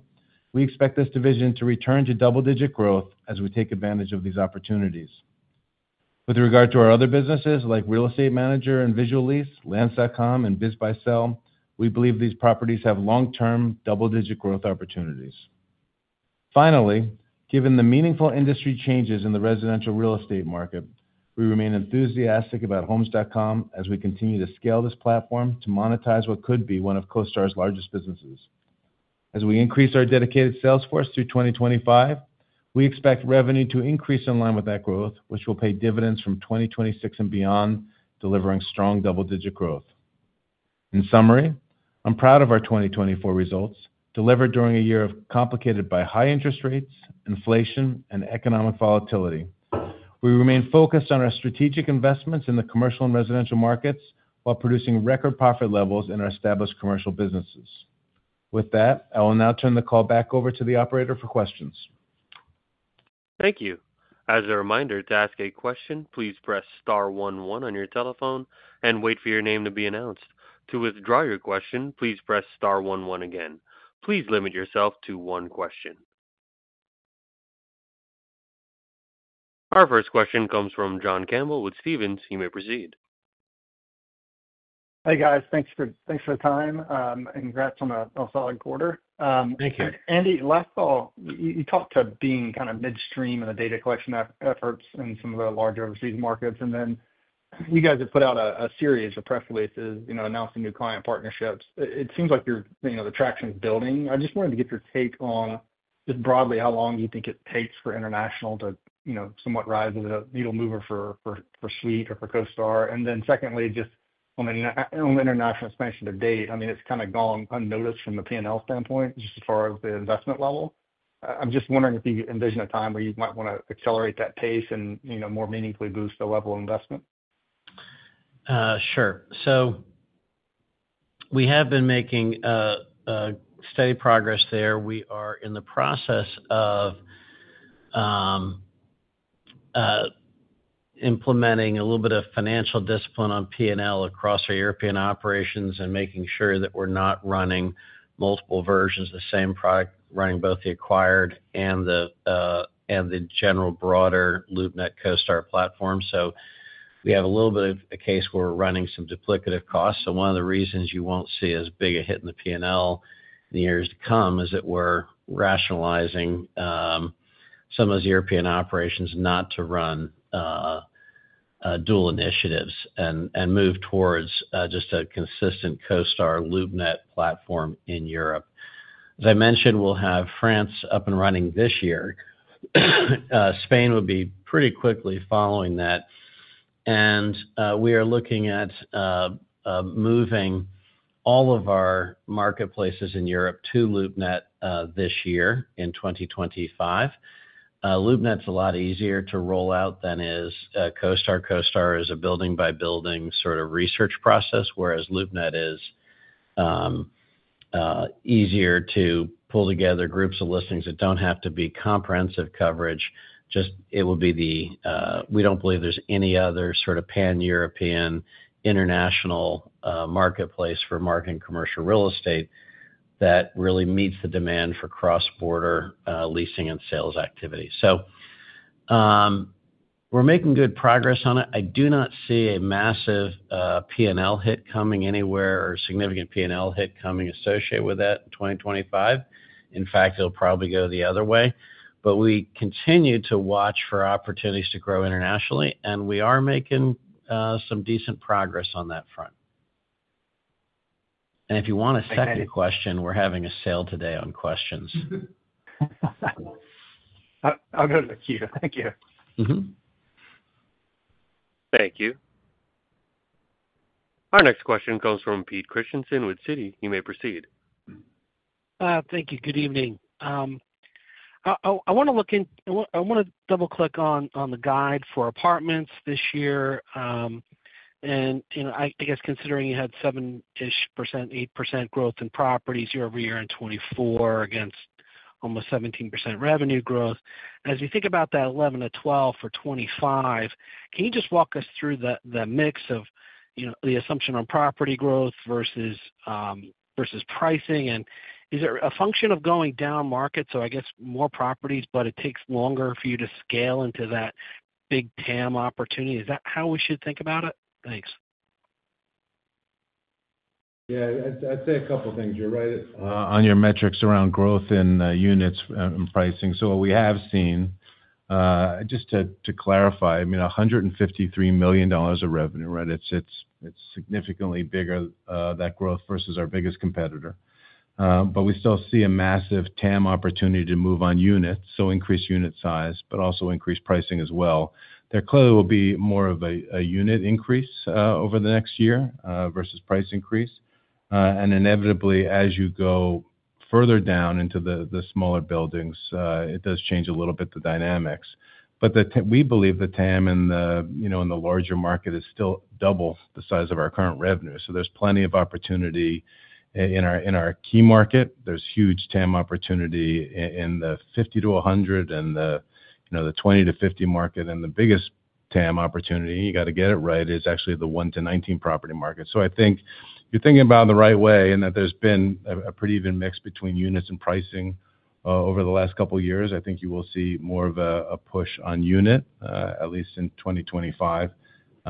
we expect this division to return to double-digit growth as we take advantage of these opportunities. With regard to our other businesses, like Real Estate Manager and Visual Lease, Land.com, and BizBuySell, we believe these properties have long-term double-digit growth opportunities. Finally, given the meaningful industry changes in the residential real estate market, we remain enthusiastic about Homes.com as we continue to scale this platform to monetize what could be one of CoStar's largest businesses. As we increase our dedicated sales force through 2025, we expect revenue to increase in line with that growth, which will pay dividends from 2026 and beyond, delivering strong double-digit growth. In summary, I'm proud of our 2024 results, delivered during a year complicated by high interest rates, inflation, and economic volatility. We remain focused on our strategic investments in the commercial and residential markets while producing record profit levels in our established commercial businesses. With that, I will now turn the call back over to the operator for questions. Thank you. As a reminder, to ask a question, please press star 11 on your telephone and wait for your name to be announced. To withdraw your question, please press star 11 again. Please limit yourself to one question. Our first question comes from John Campbell with Stephens. You may proceed. Hey, guys. Thanks for the time. Congrats on the solid quarter. Thank you. Andy, last call, you talked about being kind of midstream in the data collection efforts in some of the larger overseas markets. Then you guys have put out a series of press releases, announcing new client partnerships. It seems like the traction is building. I just wanted to get your take on just broadly how long you think it takes for international to somewhat rise as a needle-mover for the Street or for CoStar. Then secondly, just on the international expansion to date, I mean, it's kind of gone unnoticed from a P&L standpoint, just as far as the investment level. I'm just wondering if you envision a time where you might want to accelerate that pace and more meaningfully boost the level of investment. Sure. So we have been making steady progress there. We are in the process of implementing a little bit of financial discipline on P&L across our European operations and making sure that we're not running multiple versions of the same product, running both the acquired and the general broader LoopNet CoStar platform. So we have a little bit of a case where we're running some duplicative costs. So one of the reasons you won't see as big a hit in the P&L in the years to come is that we're rationalizing some of those European operations not to run dual initiatives and move towards just a consistent CoStar LoopNet platform in Europe. As I mentioned, we'll have France up and running this year. Spain would be pretty quickly following that. And we are looking at moving all of our marketplaces in Europe to LoopNet this year in 2025. LoopNet's a lot easier to roll out than is CoStar. CoStar is a building-by-building sort of research process, whereas LoopNet is easier to pull together groups of listings that don't have to be comprehensive coverage. Just, it will be the. We don't believe there's any other sort of pan-European international marketplace for marketing commercial real estate that really meets the demand for cross-border leasing and sales activity, so we're making good progress on it. I do not see a massive P&L hit coming anywhere or a significant P&L hit coming associated with that in 2025. In fact, it'll probably go the other way, but we continue to watch for opportunities to grow internationally, and we are making some decent progress on that front, and if you want a second question, we're having a sale today on questions. I'll go to the queue. Thank you. Thank you. Our next question comes from Pete Christiansen with Citi. You may proceed. Thank you. Good evening. I want to double-click on the guide for apartments this year. And I guess considering you had 7-ish%, 8% growth in properties year over year in 2024 against almost 17% revenue growth, as we think about that 11%-12% for 2025, can you just walk us through the mix of the assumption on property growth versus pricing? And is it a function of going down market, so I guess more properties, but it takes longer for you to scale into that big TAM opportunity? Is that how we should think about it? Thanks. Yeah. I'd say a couple of things. You're right. On your metrics around growth in units and pricing. So what we have seen, just to clarify, I mean, $153 million of revenue, right? It's significantly bigger, that growth, versus our biggest competitor. But we still see a massive TAM opportunity to move on units, so increase unit size, but also increase pricing as well. There clearly will be more of a unit increase over the next year versus price increase. And inevitably, as you go further down into the smaller buildings, it does change a little bit the dynamics. But we believe the TAM in the larger market is still double the size of our current revenue. So there's plenty of opportunity in our key market. There's huge TAM opportunity in the 50 to 100 and the 20 to 50 market. And the biggest TAM opportunity, you got to get it right, is actually the 1 to 19 property market. So I think you're thinking about it the right way and that there's been a pretty even mix between units and pricing over the last couple of years. I think you will see more of a push on unit, at least in 2025.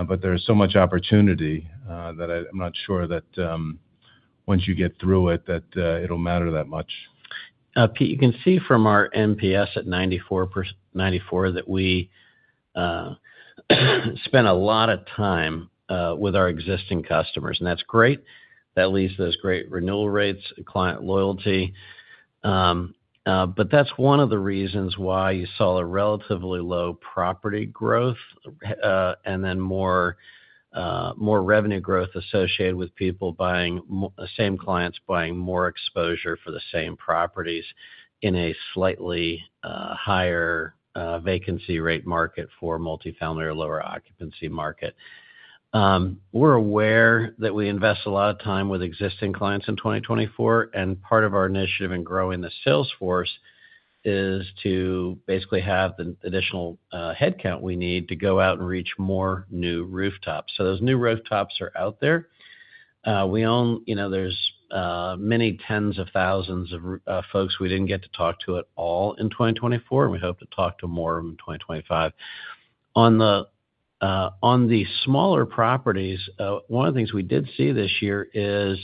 But there is so much opportunity that I'm not sure that once you get through it, that it'll matter that much. Pete, you can see from our NPS at 94 that we spend a lot of time with our existing customers. And that's great. That leads to those great renewal rates and client loyalty. That's one of the reasons why you saw a relatively low property growth and then more revenue growth associated with people buying the same clients buying more exposure for the same properties in a slightly higher vacancy rate market for multifamily or lower occupancy market. We're aware that we invest a lot of time with existing clients in 2024. Part of our initiative in growing the sales force is to basically have the additional headcount we need to go out and reach more new rooftops. Those new rooftops are out there. There's many tens of thousands of folks we didn't get to talk to at all in 2024, and we hope to talk to more of them in 2025. On the smaller properties, one of the things we did see this year is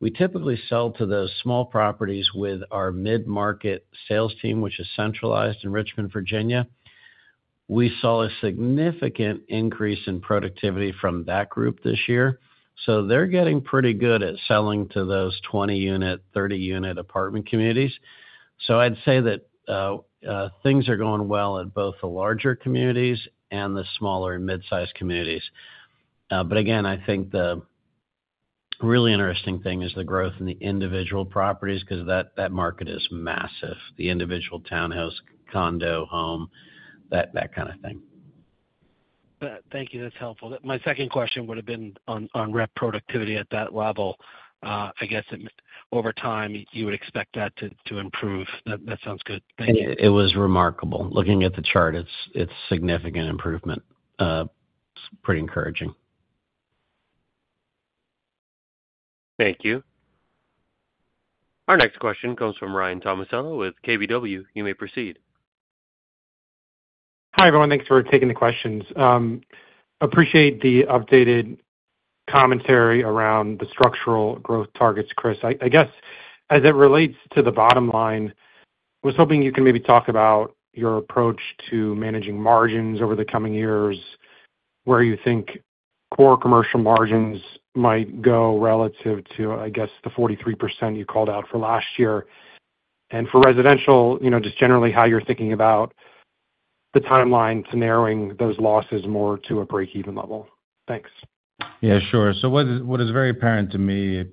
we typically sell to those small properties with our mid-market sales team, which is centralized in Richmond, Virginia. We saw a significant increase in productivity from that group this year. So they're getting pretty good at selling to those 20-unit, 30-unit apartment communities. So I'd say that things are going well at both the larger communities and the smaller and mid-sized communities. But again, I think the really interesting thing is the growth in the individual properties because that market is massive. The individual townhouse, condo, home, that kind of thing. Thank you. That's helpful. My second question would have been on rep productivity at that level. I guess over time, you would expect that to improve. That sounds good. Thank you. It was remarkable. Looking at the chart, it's significant improvement. It's pretty encouraging. Thank you. Our next question comes from Ryan Tomasello with KBW. You may proceed. Hi everyone. Thanks for taking the questions. Appreciate the updated commentary around the structural growth targets, Chris. I guess as it relates to the bottom line, I was hoping you can maybe talk about your approach to managing margins over the coming years, where you think core commercial margins might go relative to, I guess, the 43% you called out for last year. And for residential, just generally how you're thinking about the timeline to narrowing those losses more to a break-even level. Thanks. Yeah, sure. So what is very apparent to me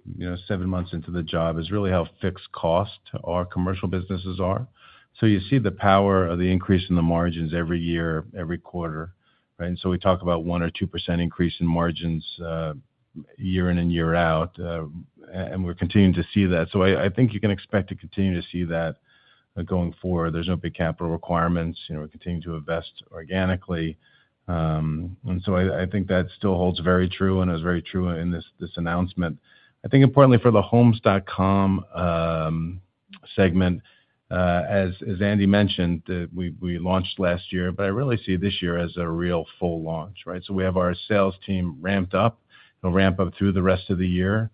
seven months into the job is really how fixed cost our commercial businesses are. So you see the power of the increase in the margins every year, every quarter, right? And so we talk about 1% or 2% increase in margins year in and year out. And we're continuing to see that. So I think you can expect to continue to see that going forward. There's no big capital requirements. We continue to invest organically. And so I think that still holds very true, and it was very true in this announcement. I think importantly for the Homes.com segment, as Andy mentioned, we launched last year, but I really see this year as a real full launch, right? So we have our sales team ramped up. It'll ramp up through the rest of the year.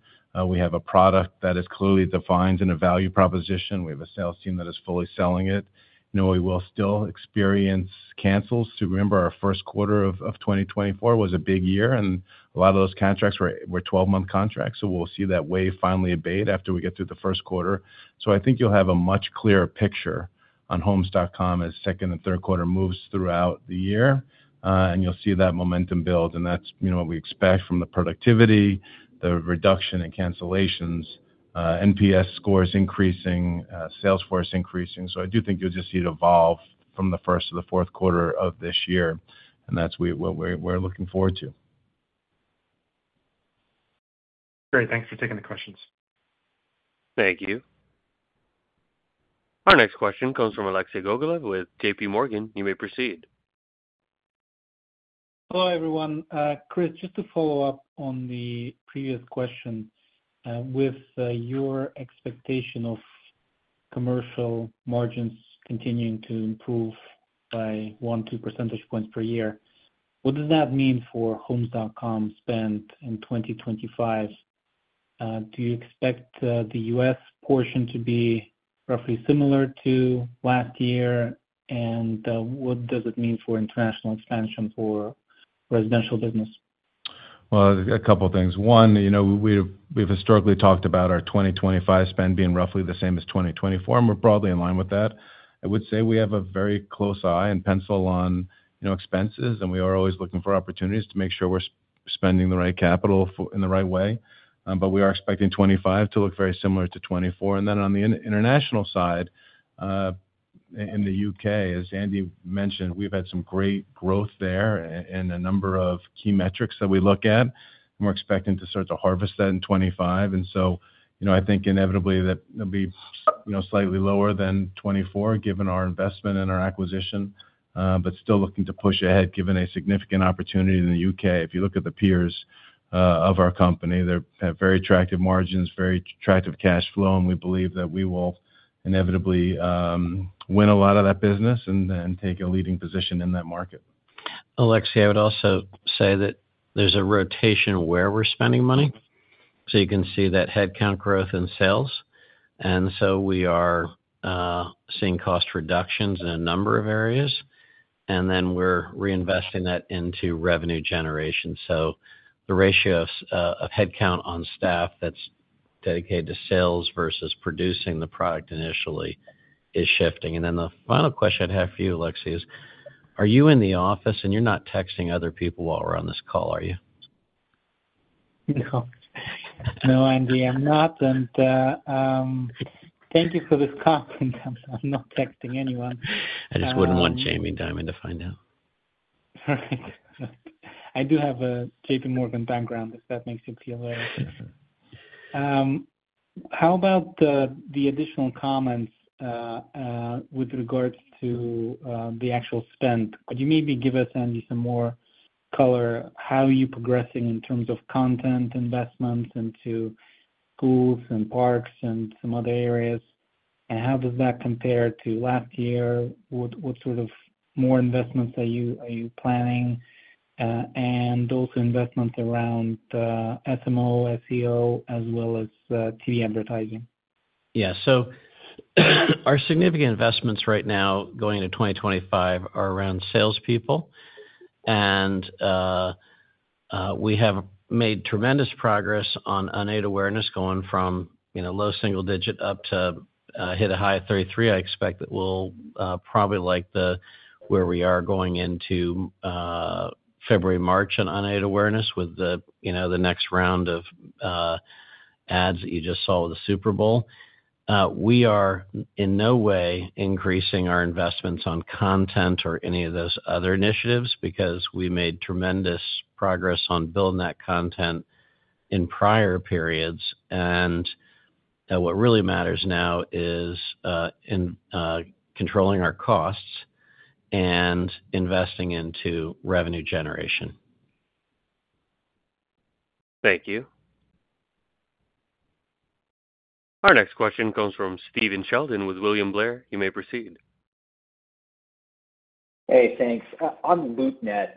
We have a product that is clearly defined in a value proposition. We have a sales team that is fully selling it. We will still experience cancels. To remember, our first quarter of 2024 was a big year, and a lot of those contracts were 12-month contracts, so we'll see that wave finally abate after we get through the first quarter. So I think you'll have a much clearer picture on Homes.com as second and third quarter moves throughout the year, and you'll see that momentum build. And that's what we expect from the productivity, the reduction in cancellations, NPS scores increasing, sales force increasing, so I do think you'll just see it evolve from the first to the fourth quarter of this year, and that's what we're looking forward to. Great. Thanks for taking the questions. Thank you. Our next question comes from Alexei Gogolev with JPMorgan. You may proceed. Hello, everyone. Chris, just to follow up on the previous question, with your expectation of commercial margins continuing to improve by 1 percentage point, 2 percentage points per year, what does that mean for Homes.com spend in 2025? Do you expect the U.S. portion to be roughly similar to last year? And what does it mean for international expansion for residential business? A couple of things. One, we've historically talked about our 2025 spend being roughly the same as 2024, and we're broadly in line with that. I would say we have a very close eye and pencil on expenses, and we are always looking for opportunities to make sure we're spending the right capital in the right way. But we are expecting 2025 to look very similar to 2024. And then on the international side, in the U.K., as Andy mentioned, we've had some great growth there in a number of key metrics that we look at. And we're expecting to start to harvest that in 2025. And so I think inevitably that it'll be slightly lower than 2024, given our investment and our acquisition, but still looking to push ahead given a significant opportunity in the U.K. If you look at the peers of our company, they have very attractive margins, very attractive cash flow, and we believe that we will inevitably win a lot of that business and take a leading position in that market. Alexei, I would also say that there's a rotation where we're spending money. So you can see that headcount growth in sales. And so we are seeing cost reductions in a number of areas. And then we're reinvesting that into revenue generation. So the ratio of headcount on staff that's dedicated to sales versus producing the product initially is shifting. And then the final question I'd have for you, Alexei, is, are you in the office and you're not texting other people while we're on this call, are you? No. No, Andy, I'm not. And thank you for this comment. I'm not texting anyone. I just wouldn't want Jamie Dimon to find out. Right. I do have a JPMorgan background if that makes you feel very comfortable. How about the additional comments with regards to the actual spend? Could you maybe give us, Andy, some more color? How are you progressing in terms of content investments into schools and parks and some other areas? And how does that compare to last year? What sort of more investments are you planning? And also investments around SMO, SEO, as well as TV advertising? Yeah. So our significant investments right now going into 2025 are around salespeople. And we have made tremendous progress on unaided awareness going from low single digit up to hit a high of 33. I expect that we'll probably like where we are going into February, March on unaided awareness with the next round of ads that you just saw with the Super Bowl. We are in no way increasing our investments on content or any of those other initiatives because we made tremendous progress on building that content in prior periods. And what really matters now is controlling our costs and investing into revenue generation. Thank you. Our next question comes from Stephen Sheldon with William Blair. You may proceed. Hey, thanks. On LoopNet,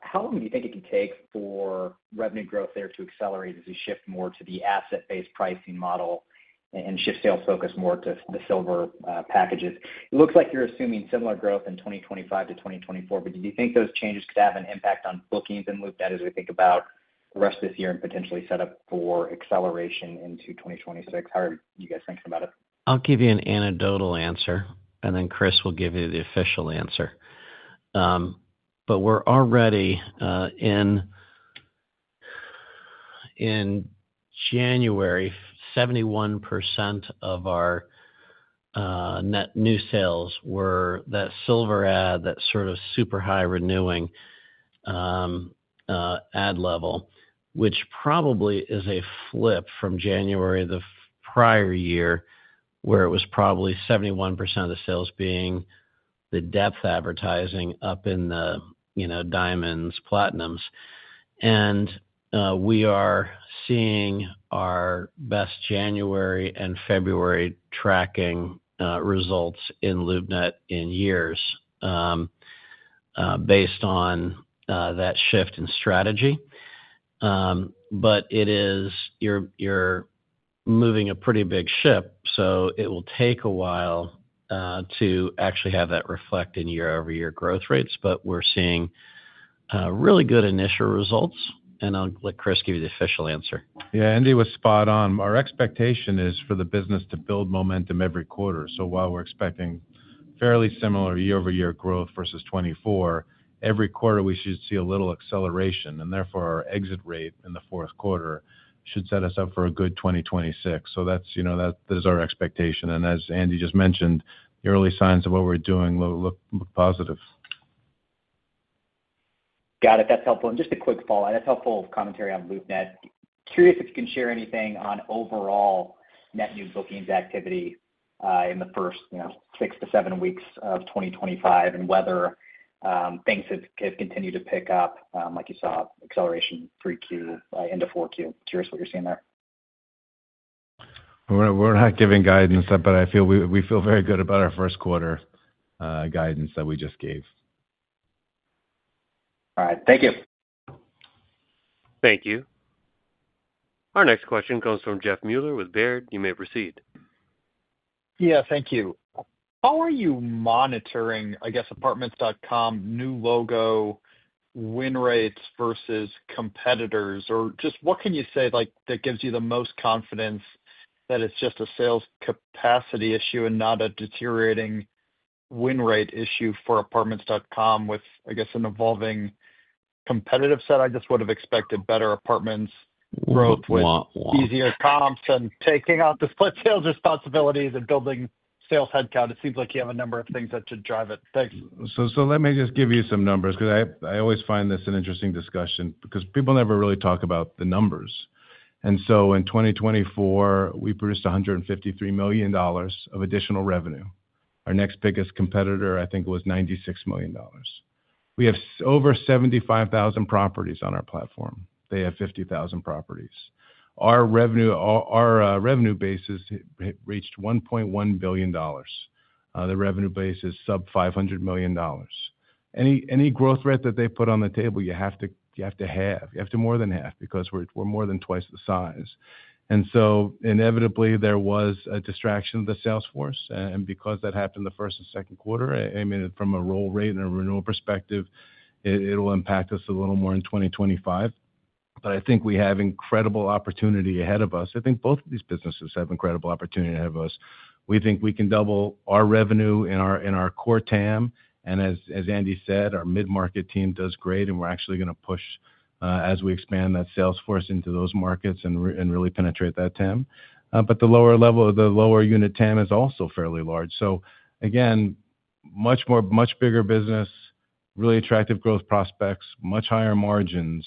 how long do you think it can take for revenue growth there to accelerate as we shift more to the asset-based pricing model and shift sales focus more to the Silver packages? It looks like you're assuming similar growth in 2025 to 2024, but did you think those changes could have an impact on bookings and LoopNet as we think about the rest of this year and potentially set up for acceleration into 2026? How are you guys thinking about it? I'll give you an anecdotal answer, and then Chris will give you the official answer. But we're already in January, 71% of our net new sales were that Silver ad, that sort of super high renewing ad level, which probably is a flip from January the prior year where it was probably 71% of the sales being the depth advertising up in the Diamonds, Platinums. And we are seeing our best January and February tracking results in LoopNet in years based on that shift in strategy. But it is, you're moving a pretty big ship, so it will take a while to actually have that reflect in year-over-year growth rates. But we're seeing really good initial results. And I'll let Chris give you the official answer. Yeah, Andy was spot on. Our expectation is for the business to build momentum every quarter. So while we're expecting fairly similar year-over-year growth versus 2024, every quarter we should see a little acceleration. And therefore, our exit rate in the fourth quarter should set us up for a good 2026. So that is our expectation. And as Andy just mentioned, the early signs of what we're doing look positive. Got it. That's helpful. And just a quick follow-up. That's helpful commentary on LoopNet. Curious if you can share anything on overall net new bookings activity in the first six to seven weeks of 2025 and whether things have continued to pick up, like you saw, acceleration 3Q into 4Q. Curious what you're seeing there? We're not giving guidance, but I feel very good about our first quarter guidance that we just gave. All right. Thank you. Thank you. Our next question comes from Jeff Meuler with Baird. You may proceed. Yeah, thank you. How are you monitoring, I guess, Apartments.com new logo, win rates versus competitors? Or just what can you say that gives you the most confidence that it's just a sales capacity issue and not a deteriorating win rate issue for Apartments.com with, I guess, an evolving competitive set? I just would have expected better apartments growth with easier comps and taking out the split sales responsibilities and building sales headcount. It seems like you have a number of things that should drive it. Thanks. So let me just give you some numbers because I always find this an interesting discussion because people never really talk about the numbers. And so in 2024, we produced $153 million of additional revenue. Our next biggest competitor, I think, was $96 million. We have over 75,000 properties on our platform. They have 50,000 properties. Our revenue basis reached $1.1 billion. The revenue base is sub-$500 million. Any growth rate that they put on the table, you have to have. You have to more than have because we're more than twice the size. And so inevitably, there was a distraction of the sales force. And because that happened the first and second quarter, I mean, from a roll rate and a renewal perspective, it will impact us a little more in 2025. But I think we have incredible opportunity ahead of us. I think both of these businesses have incredible opportunity ahead of us. We think we can double our revenue in our core TAM. And as Andy said, our mid-market team does great. And we're actually going to push as we expand that sales force into those markets and really penetrate that TAM. But the lower level, the lower unit TAM is also fairly large. So again, much bigger business, really attractive growth prospects, much higher margins.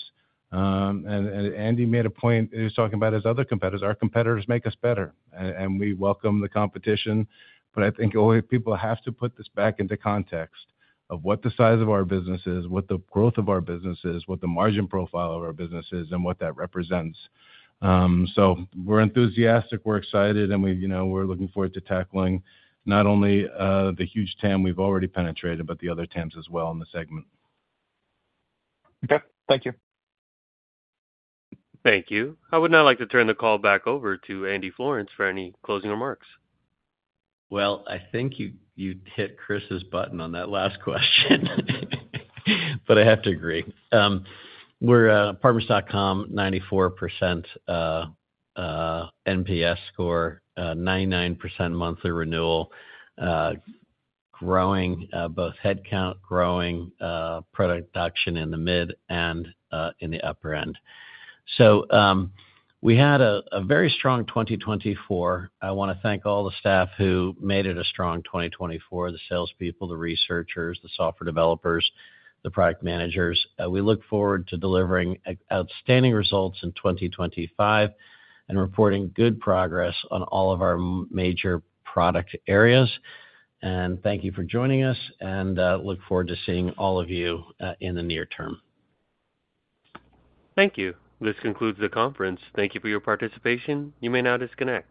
And Andy made a point he was talking about his other competitors. Our competitors make us better. And we welcome the competition. But I think people have to put this back into context of what the size of our business is, what the growth of our business is, what the margin profile of our business is, and what that represents. So we're enthusiastic. We're excited. We're looking forward to tackling not only the huge TAM we've already penetrated, but the other TAMs as well in the segment. Okay. Thank you. Thank you. I'd now like to turn the call back over to Andy Florance for any closing remarks. Well, I think you hit Chris's button on that last question. But I have to agree. We're Apartments.com, 94% NPS score, 99% monthly renewal, growing both headcount, growing production in the mid and in the upper end. So we had a very strong 2024. I want to thank all the staff who made it a strong 2024, the salespeople, the researchers, the software developers, the product managers. We look forward to delivering outstanding results in 2025 and reporting good progress on all of our major product areas. And thank you for joining us. And look forward to seeing all of you in the near term. Thank you. This concludes the conference. Thank you for your participation. You may now disconnect.